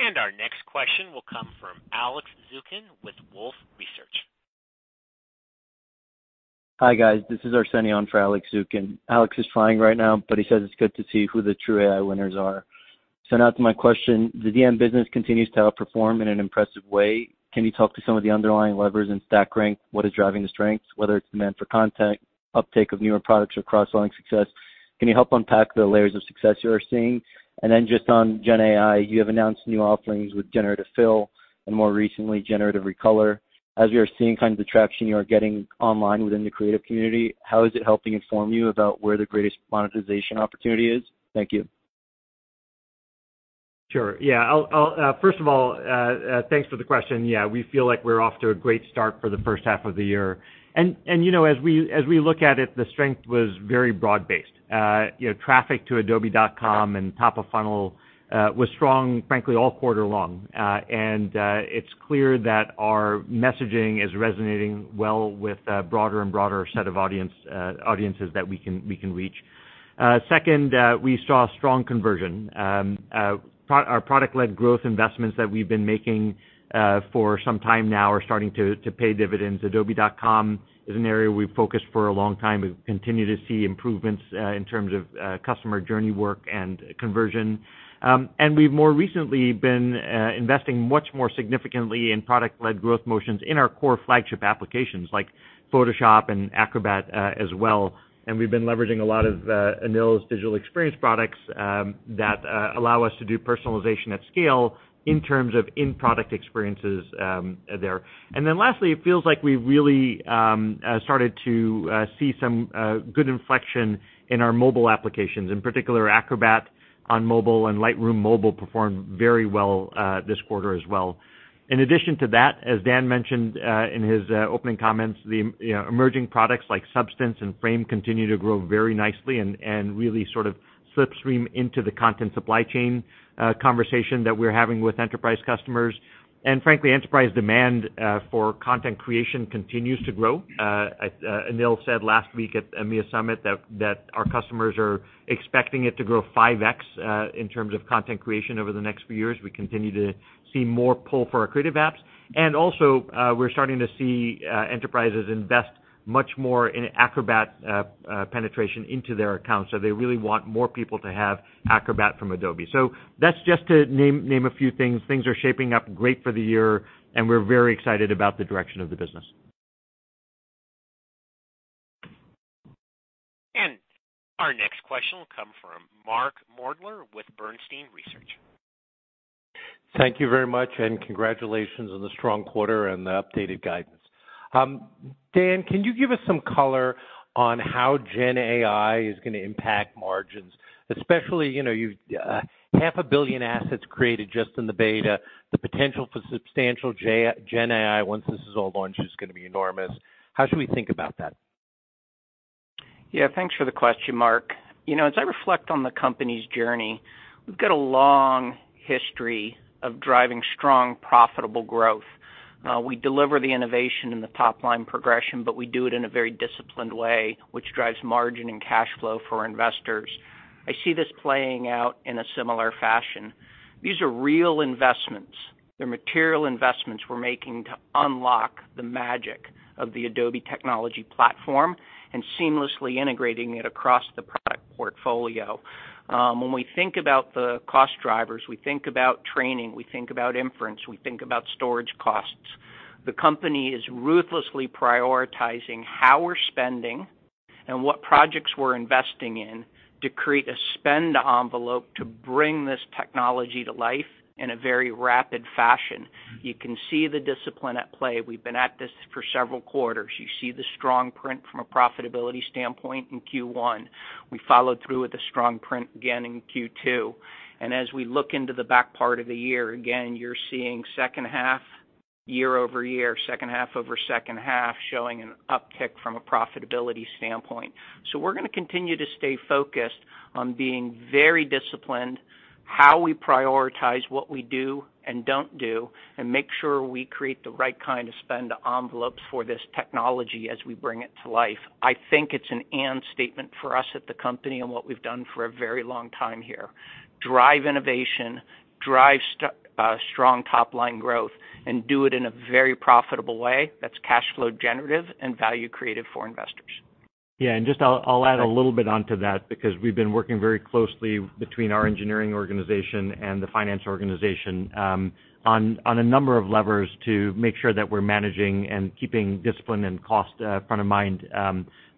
Our next question will come from Alex Zukin with Wolfe Research. Hi, guys. This is Arseniy on for Alex Zukin. Alex is flying right now, but he says it's good to see who the true AI winners are. Now to my question, the DM business continues to outperform in an impressive way. Can you talk to some of the underlying levers and stack rank, what is driving the strengths, whether it's demand for content, uptake of newer products, or cross-selling success? Can you help unpack the layers of success you are seeing? Then just on Gen AI, you have announced new offerings with Generative Fill and more recently, Generative Recolor. As you are seeing kind of the traction you are getting online within the creative community, how is it helping inform you about where the greatest monetization opportunity is? Thank you. Sure. Yeah. I'll first of all, thanks for the question. Yeah, we feel like we're off to a great start for the first half of the year. You know, as we look at it, the strength was very broad-based. You know, traffic to adobe.com and top of funnel was strong, frankly, all quarter long. It's clear that our messaging is resonating well with a broader and broader set of audience, audiences that we can reach. Second, we saw strong conversion. Our product-led growth investments that we've been making for some time now are starting to pay dividends. Adobe.com is an area we've focused for a long time. We've continued to see improvements in terms of customer journey work and conversion. We've more recently been investing much more significantly in product-led growth motions in our core flagship applications, like Photoshop and Acrobat, as well. We've been leveraging a lot of Anil's digital experience products that allow us to do personalization at scale in terms of in-product experiences there. Lastly, it feels like we really started to see some good inflection in our mobile applications. In particular, Acrobat on mobile and Lightroom Mobile performed very well this quarter as well. In addition to that, as Dan mentioned in his opening comments, the emerging products like Substance and Frame continue to grow very nicely and really sort of slipstream into the Content Supply Chain conversation that we're having with enterprise customers. Frankly, enterprise demand for content creation continues to grow. Anil said last week at EMEA Summit that our customers are expecting it to grow 5x in terms of content creation over the next few years. We continue to see more pull for our creative apps. Also, we're starting to see enterprises invest much more in Acrobat penetration into their accounts. They really want more people to have Acrobat from Adobe. That's just to name a few things. Things are shaping up great for the year, and we're very excited about the direction of the business. Our next question will come from Mark Moerdler with Bernstein Research. Thank you very much, and congratulations on the strong quarter and the updated guidance. Dan, can you give us some color on how Gen AI is going to impact margins? Especially, you know, you've 500 million assets created just in the beta, the potential for substantial Gen AI, once this is all launched, is going to be enormous. How should we think about that? Thanks for the question, Mark. You know, as I reflect on the company's journey, we've got a long history of driving strong, profitable growth. We deliver the innovation in the top line progression, we do it in a very disciplined way, which drives margin and cash flow for investors. I see this playing out in a similar fashion. These are real investments. They're material investments we're making to unlock the magic of the Adobe technology platform and seamlessly integrating it across the product portfolio. When we think about the cost drivers, we think about training, we think about inference, we think about storage costs. The company is ruthlessly prioritizing how we're spending and what projects we're investing in to create a spend envelope to bring this technology to life in a very rapid fashion. You can see the discipline at play. We've been at this for several quarters. You see the strong print from a profitability standpoint in Q1. We followed through with a strong print again in Q2. As we look into the back part of the year, again, you're seeing second half, year-over-year, second half over second half, showing an uptick from a profitability standpoint. We're going to continue to stay focused on being very disciplined, how we prioritize what we do and don't do, and make sure we create the right kind of spend envelopes for this technology as we bring it to life. I think it's an and statement for us at the company and what we've done for a very long time here. Drive innovation, drive strong top line growth, and do it in a very profitable way that's cash flow generative and value creative for investors. Just I'll add a little bit onto that because we've been working very closely between our engineering organization and the finance organization, on a number of levers to make sure that we're managing and keeping discipline and cost front of mind.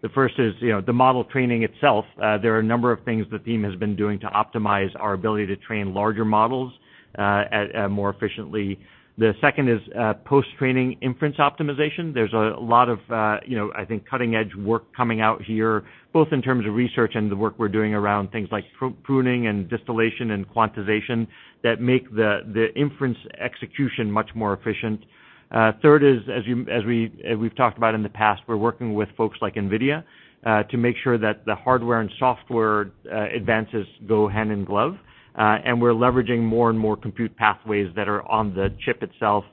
The first is, you know, the model training itself. There are a number of things the team has been doing to optimize our ability to train larger models at more efficiently. The second is, post-training inference optimization. There's a lot of, you know, I think, cutting-edge work coming out here, both in terms of research and the work we're doing around things like pruning and distillation and quantization, that make the inference execution much more efficient. Third is, as we've talked about in the past, we're working with folks like NVIDIA to make sure that the hardware and software advances go hand in glove, and we're leveraging more and more compute pathways that are on the chip itself.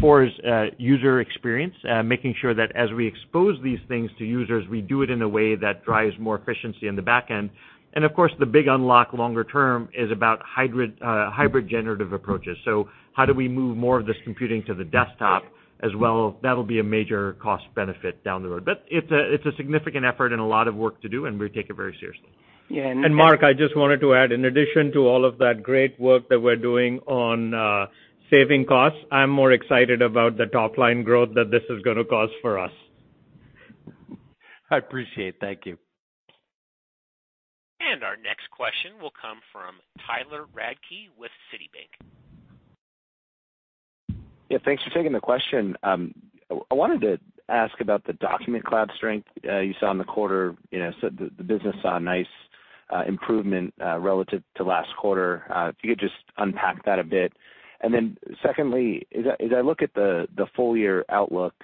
Four is user experience, making sure that as we expose these things to users, we do it in a way that drives more efficiency on the back end. Of course, the big unlock longer term is about hybrid generative approaches. How do we move more of this computing to the desktop as well? That'll be a major cost benefit down the road. It's a significant effort and a lot of work to do, and we take it very seriously. Yeah. Mark, I just wanted to add, in addition to all of that great work that we're doing on saving costs, I'm more excited about the top line growth that this is going to cause for us. I appreciate it. Thank you. Our next question will come from Tyler Radke with Citi. Yeah, thanks for taking the question. I wanted to ask about the Document Cloud strength you saw in the quarter. You know, the business saw a nice improvement relative to last quarter. If you could just unpack that a bit. Secondly, as I look at the full year outlook,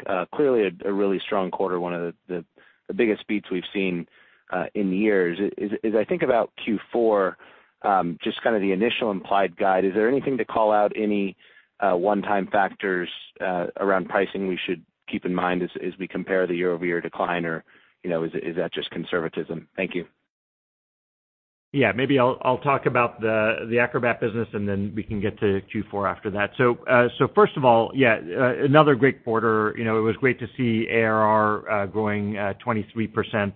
just kind of the initial implied guide. Is there anything to call out, any one-time factors around pricing we should keep in mind as we compare the year-over-year decline, or, you know, is that just conservatism? Thank you. Yeah. Maybe I'll talk about the Acrobat business, and then we can get to Q4 after that. First of all, yeah, another great quarter. You know, it was great to see ARR growing 23%.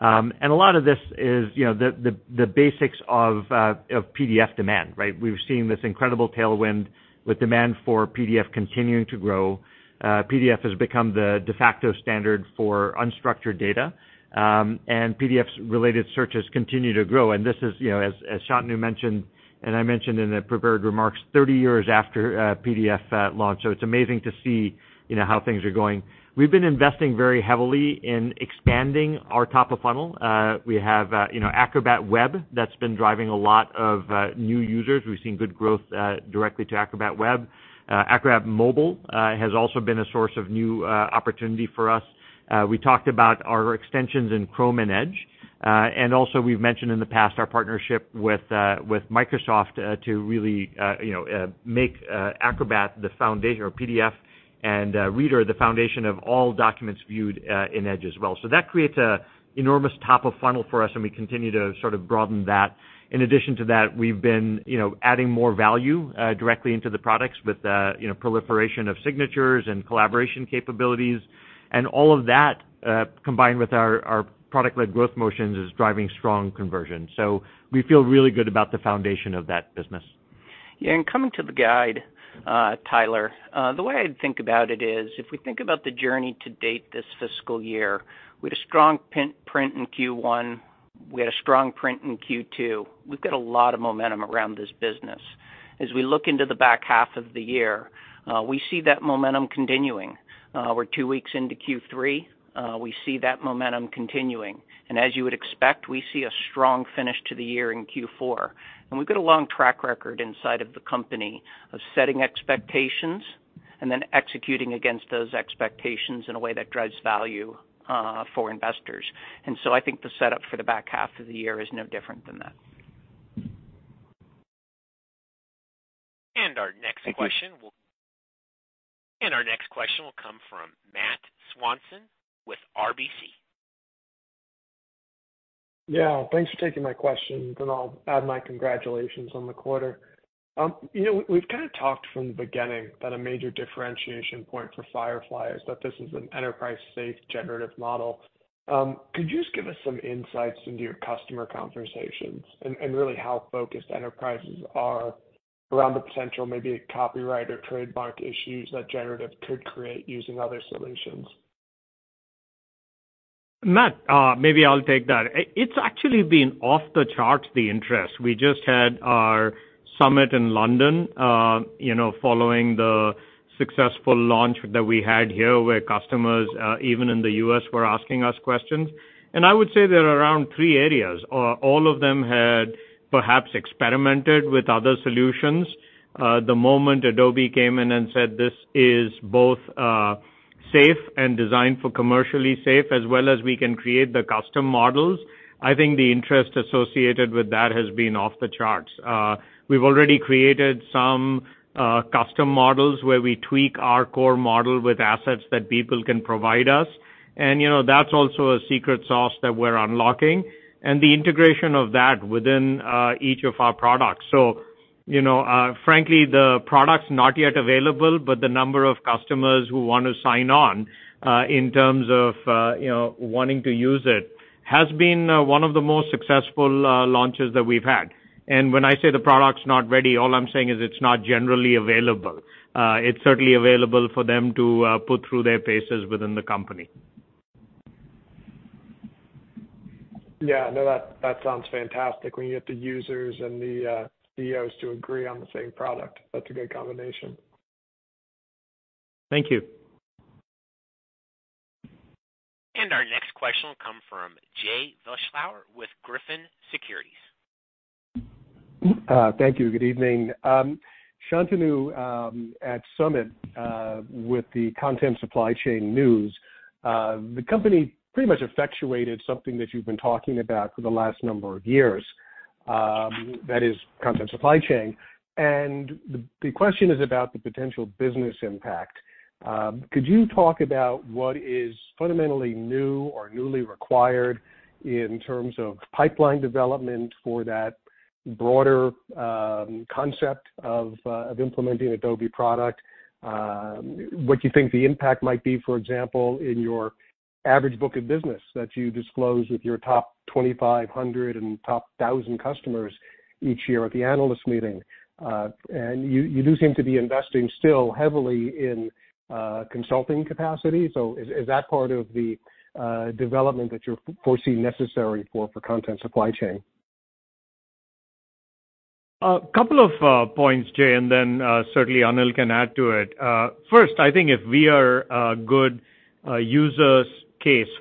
A lot of this is, you know, the basics of PDF demand, right? We've seen this incredible tailwind, with demand for PDF continuing to grow. PDF has become the de facto standard for unstructured data, and PDF's related searches continue to grow. This is, you know, as Shantanu mentioned, and I mentioned in the prepared remarks, 30 years after PDF launched. It's amazing to see, you know, how things are going. We've been investing very heavily in expanding our top of funnel. We have, you know, Acrobat Web, that's been driving a lot of new users. We've seen good growth directly to Acrobat Web. Acrobat Mobile has also been a source of new opportunity for us. We talked about our extensions in Chrome and Edge, and also we've mentioned in the past, our partnership with Microsoft, to really, you know, make Acrobat the foundation or PDF and Reader, the foundation of all documents viewed in Edge as well. That creates a enormous top of funnel for us, and we continue to sort of broaden that. In addition to that, we've been, you know, adding more value directly into the products with the, you know, proliferation of signatures and collaboration capabilities. All of that, combined with our product-led growth motions, is driving strong conversion. We feel really good about the foundation of that business. Coming to the guide, Tyler, the way I'd think about it is, if we think about the journey to date this fiscal year, we had a strong print in Q1. We had a strong print in Q2. We've got a lot of momentum around this business. As we look into the back half of the year, we see that momentum continuing. We're two weeks into Q3, we see that momentum continuing. As you would expect, we see a strong finish to the year in Q4. We've got a long track record inside of the company of setting expectations and then executing against those expectations in a way that drives value for investors. I think the setup for the back half of the year is no different than that. Thank you. Our next question will come from Matt Swanson with RBC. Yeah, thanks for taking my questions. I'll add my congratulations on the quarter. You know, we've kind of talked from the beginning that a major differentiation point for Firefly is that this is an enterprise-safe generative model. Could you just give us some insights into your customer conversations and really how focused enterprises are around the potential, maybe copyright or trademark issues that generative could create using other solutions? Matt, maybe I'll take that. It's actually been off the charts, the interest. We just had our summit in London, you know, following the successful launch that we had here, where customers, even in the US, were asking us questions. I would say there are around three areas. All of them had perhaps experimented with other solutions. The moment Adobe came in and said, "This is both safe and designed for commercially safe, as well as we can create the custom models," I think the interest associated with that has been off the charts. We've already created some custom models, where we tweak our core model with assets that people can provide us. You know, that's also a secret sauce that we're unlocking and the integration of that within each of our products. You know, frankly, the product's not yet available, but the number of customers who want to sign on, in terms of, you know, wanting to use it, has been one of the most successful launches that we've had. When I say the product's not ready, all I'm saying is it's not generally available. It's certainly available for them to put through their paces within the company. Yeah. No, that sounds fantastic. When you get the users and the CEOs to agree on the same product, that's a good combination. Thank you. Our next question will come from Jay Vleeschhouwer with Griffin Securities. Thank you. Good evening. Shantanu, at Summit, with the Content Supply Chain news, the company pretty much effectuated something that you've been talking about for the last number of years, that is, Content Supply Chain. The question is about the potential business impact. Could you talk about what is fundamentally new or newly required in terms of pipeline development for that broader concept of implementing Adobe product? What do you think the impact might be, for example, in your average book of business, that you disclose with your top 2,500 and top 1,000 customers each year at the analyst meeting? You do seem to be investing still heavily in consulting capacity. Is that part of the development that you foresee necessary for Content Supply Chain? A couple of points, Jay, and then certainly Anil can add to it. First, I think if we are a good user case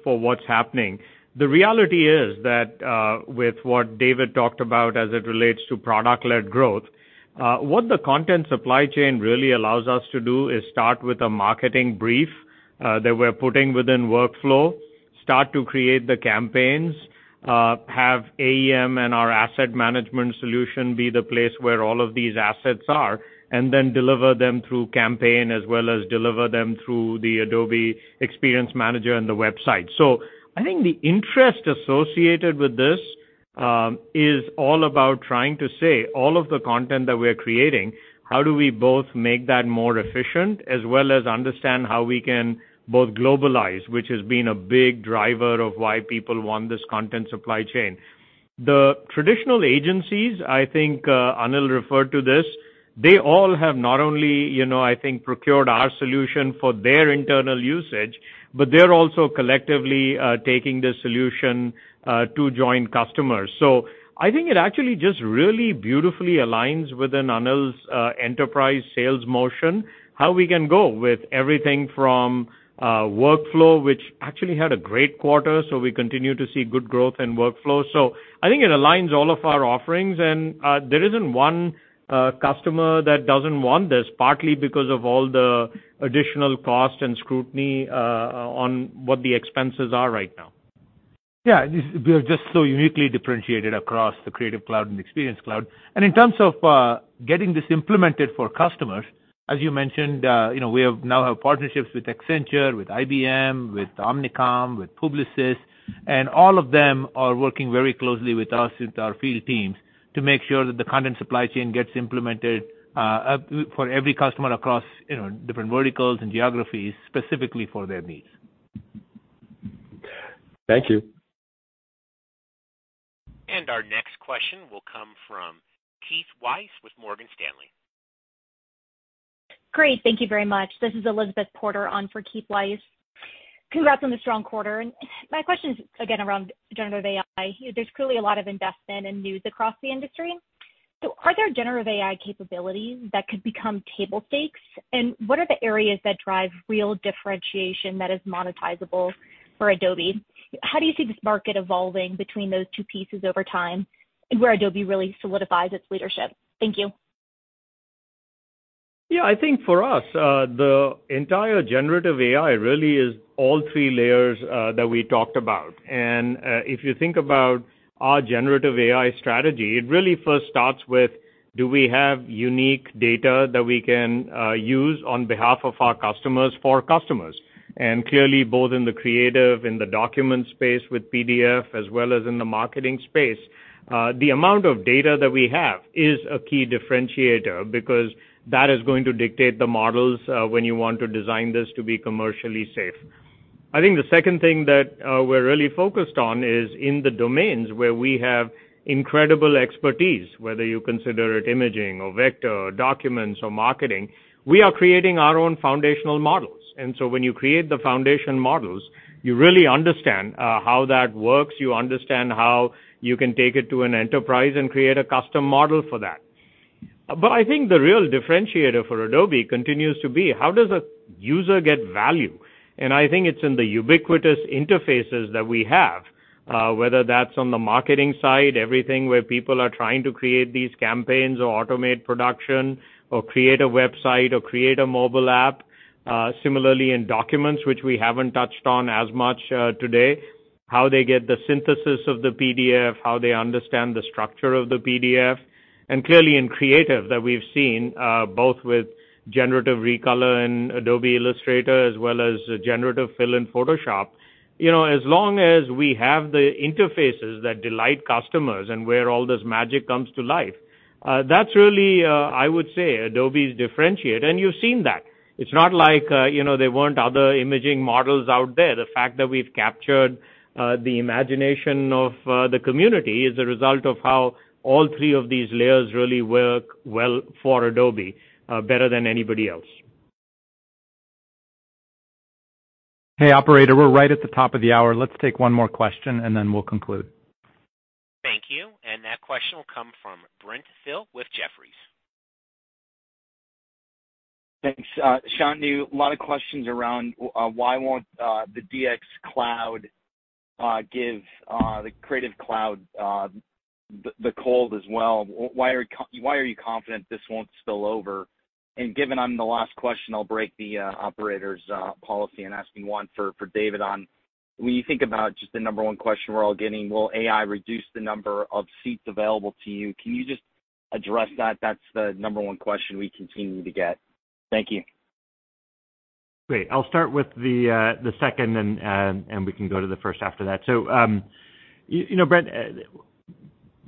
for what's happening, the reality is that with what David talked about as it relates to product-led growth, what the Content Supply Chain really allows us to do is start with a marketing brief that we're putting within Adobe Workfront, start to create the campaigns, have AEM and our asset management solution be the place where all of these assets are, and then deliver them through Adobe Campaign as well as deliver them through the Adobe Experience Manager and the website. I think the interest associated with this is all about trying to say all of the content that we're creating, how do we both make that more efficient, as well as understand how we can both globalize, which has been a big driver of why people want this Content Supply Chain? The traditional agencies, I think, Anil referred to this, they all have not only, you know, I think, procured our solution for their internal usage, but they're also collectively taking this solution to join customers. I think it actually just really beautifully aligns within Anil's enterprise sales motion, how we can go with everything from workflow, which actually had a great quarter, so we continue to see good growth in workflow. I think it aligns all of our offerings, and there isn't one customer that doesn't want this, partly because of all the additional cost and scrutiny on what the expenses are right now. Yeah, we are just so uniquely differentiated across the Creative Cloud and Experience Cloud. In terms of getting this implemented for customers, as you mentioned, you know, we now have partnerships with Accenture, with IBM, with Omnicom, with Publicis, and all of them are working very closely with us, with our field teams, to make sure the Content Supply Chain gets implemented for every customer across, you know, different verticals and geographies, specifically for their needs. Thank you. Our next question will come from Keith Weiss with Morgan Stanley. Great. Thank you very much. This is Elizabeth Porter on for Keith Weiss. Congrats on the strong quarter. My question is again around generative AI. There's clearly a lot of investment and news across the industry. Are there generative AI capabilities that could become table stakes? What are the areas that drive real differentiation that is monetizable for Adobe? How do you see this market evolving between those two pieces over time and where Adobe really solidifies its leadership? Thank you. Yeah, I think for us, the entire generative AI really is all three layers that we talked about. If you think about our generative AI strategy, it really first starts with, do we have unique data that we can use on behalf of our customers, for our customers? Clearly, both in the creative, in the document space with PDF, as well as in the marketing space, the amount of data that we have is a key differentiator, because that is going to dictate the models, when you want to design this to be commercially safe. I think the second thing that we're really focused on is in the domains where we have incredible expertise, whether you consider it imaging or vector or documents or marketing, we are creating our own foundational models. When you create the foundation models, you really understand how that works, you understand how you can take it to an enterprise and create a custom model for that. I think the real differentiator for Adobe continues to be: How does a user get value? I think it's in the ubiquitous interfaces that we have, whether that's on the marketing side, everything where people are trying to create these campaigns or automate production or create a website or create a mobile app. Similarly in documents, which we haven't touched on as much today, how they get the synthesis of the PDF, how they understand the structure of the PDF, and clearly in creative, that we've seen both with Generative Recolor and Adobe Illustrator, as well as Generative Fill in Photoshop. You know, as long as we have the interfaces that delight customers and where all this magic comes to life, that's really, I would say, Adobe's differentiator, and you've seen that. It's not like, you know, there weren't other imaging models out there. The fact that we've captured the imagination of the community is a result of how all three of these layers really work well for Adobe, better than anybody else. Hey, operator, we're right at the top of the hour. Let's take one more question, and then we'll conclude. Thank you. That question will come from Brent Thill with Jefferies. Thanks. Shantanu, a lot of questions around why won't the DX Cloud give the Creative Cloud the cold as well? Why are you confident this won't spill over? Given I'm the last question, I'll break the operator's policy and ask you one for David on. When you think about just the number one question we're all getting, will AI reduce the number of seats available to you? Can you just address that? That's the number one question we continue to get. Thank you. Great. I'll start with the second, and we can go to the first after that. You know,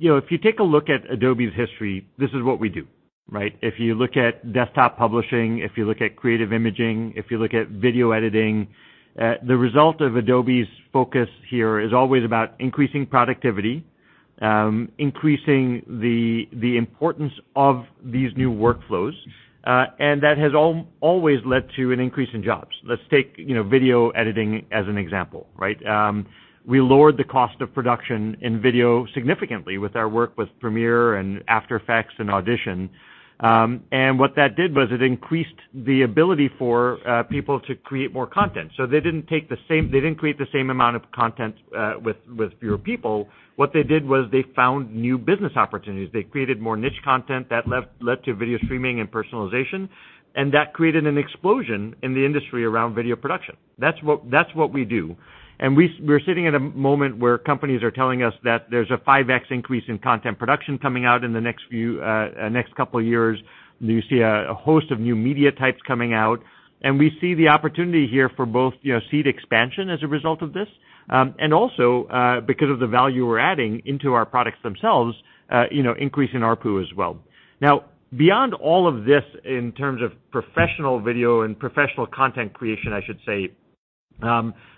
Brent, you know, if you take a look at Adobe's history, this is what we do, right? If you look at desktop publishing, if you look at creative imaging, if you look at video editing, the result of Adobe's focus here is always about increasing productivity, increasing the importance of these new workflows, and that has always led to an increase in jobs. Let's take, you know, video editing as an example, right? We lowered the cost of production in video significantly with our work with Premiere and After Effects and Audition. What that did was it increased the ability for people to create more content. They didn't create the same amount of content, with fewer people. What they did was they found new business opportunities. They created more niche content that led to video streaming and personalization, and that created an explosion in the industry around video production. That's what we do. We're sitting at a moment where companies are telling us that there's a 5x increase in content production coming out in the next couple of years. You see a host of new media types coming out, we see the opportunity here for both, you know, seed expansion as a result of this, and also because of the value we're adding into our products themselves, you know, increasing ARPU as well. Beyond all of this, in terms of professional video and professional content creation, I should say,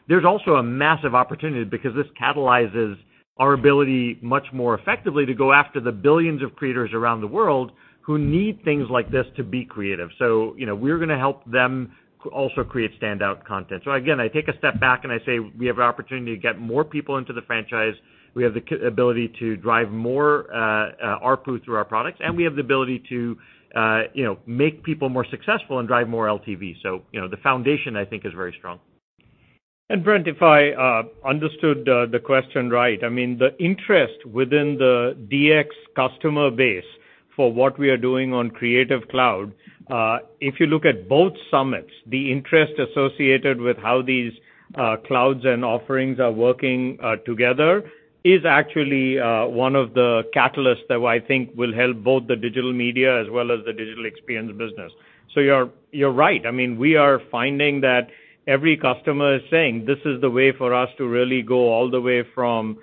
there's also a massive opportunity because this catalyzes our ability much more effectively to go after the billions of creators around the world who need things like this to be creative. You know, we're gonna help them also create standout content. Again, I take a step back, and I say we have an opportunity to get more people into the franchise. We have the ability to drive more ARPU through our products, and we have the ability to, you know, make people more successful and drive more LTV. You know, the foundation, I think, is very strong. Brent, if I understood the question right, I mean, the interest within the DX customer base for what we are doing on Creative Cloud, if you look at both summits, the interest associated with how these clouds and offerings are working together is actually one of the catalysts that I think will help both the Digital Media as well as the Digital Experience business. You're right. I mean, we are finding that every customer is saying, "This is the way for us to really go all the way from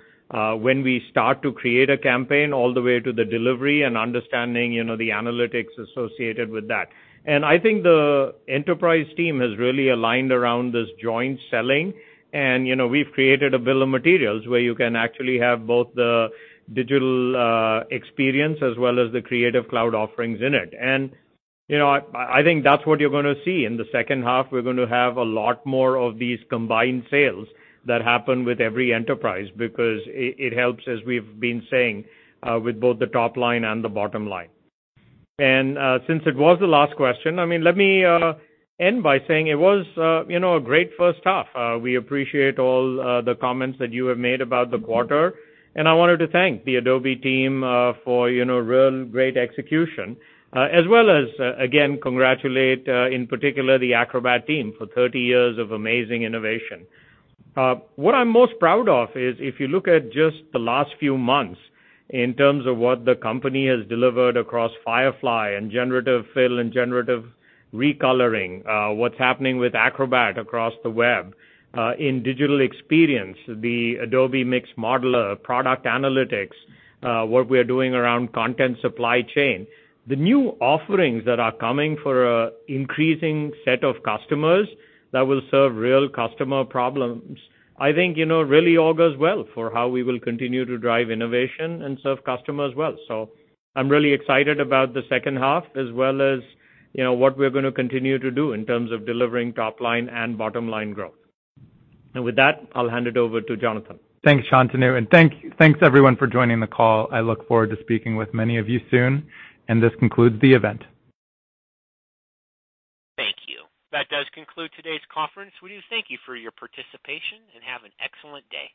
when we start to create a campaign, all the way to the delivery and understanding, you know, the analytics associated with that." I think the enterprise team has really aligned around this joint selling. You know, we've created a bill of materials, where you can actually have both the digital experience as well as the Creative Cloud offerings in it. You know, I think that's what you're gonna see. In the second half, we're going to have a lot more of these combined sales that happen with every enterprise, because it helps, as we've been saying, with both the top line and the bottom line. Since it was the last question, I mean, let me end by saying it was, you know, a great first half. We appreciate all the comments that you have made about the quarter, and I wanted to thank the Adobe team for, you know, real great execution, as well as, again, congratulate, in particular, the Acrobat team for 30 years of amazing innovation. What I'm most proud of is, if you look at just the last few months in terms of what the company has delivered across Firefly and Generative Fill and Generative Recolor, what's happening with Acrobat across the web, in Digital Experience, the Adobe Mix Modeler, Adobe Product Analytics, what we are doing around Content Supply Chain. The new offerings that are coming for a increasing set of customers that will serve real customer problems, I think, you know, really augurs well for how we will continue to drive innovation and serve customers well. I'm really excited about the second half as well as, you know, what we're gonna continue to do in terms of delivering top line and bottom-line growth. With that, I'll hand it over to Jonathan. Thanks, Shantanu, and thanks everyone for joining the call. I look forward to speaking with many of you soon, and this concludes the event. Thank you. That does conclude today's conference. We thank you for your participation, and have an excellent day.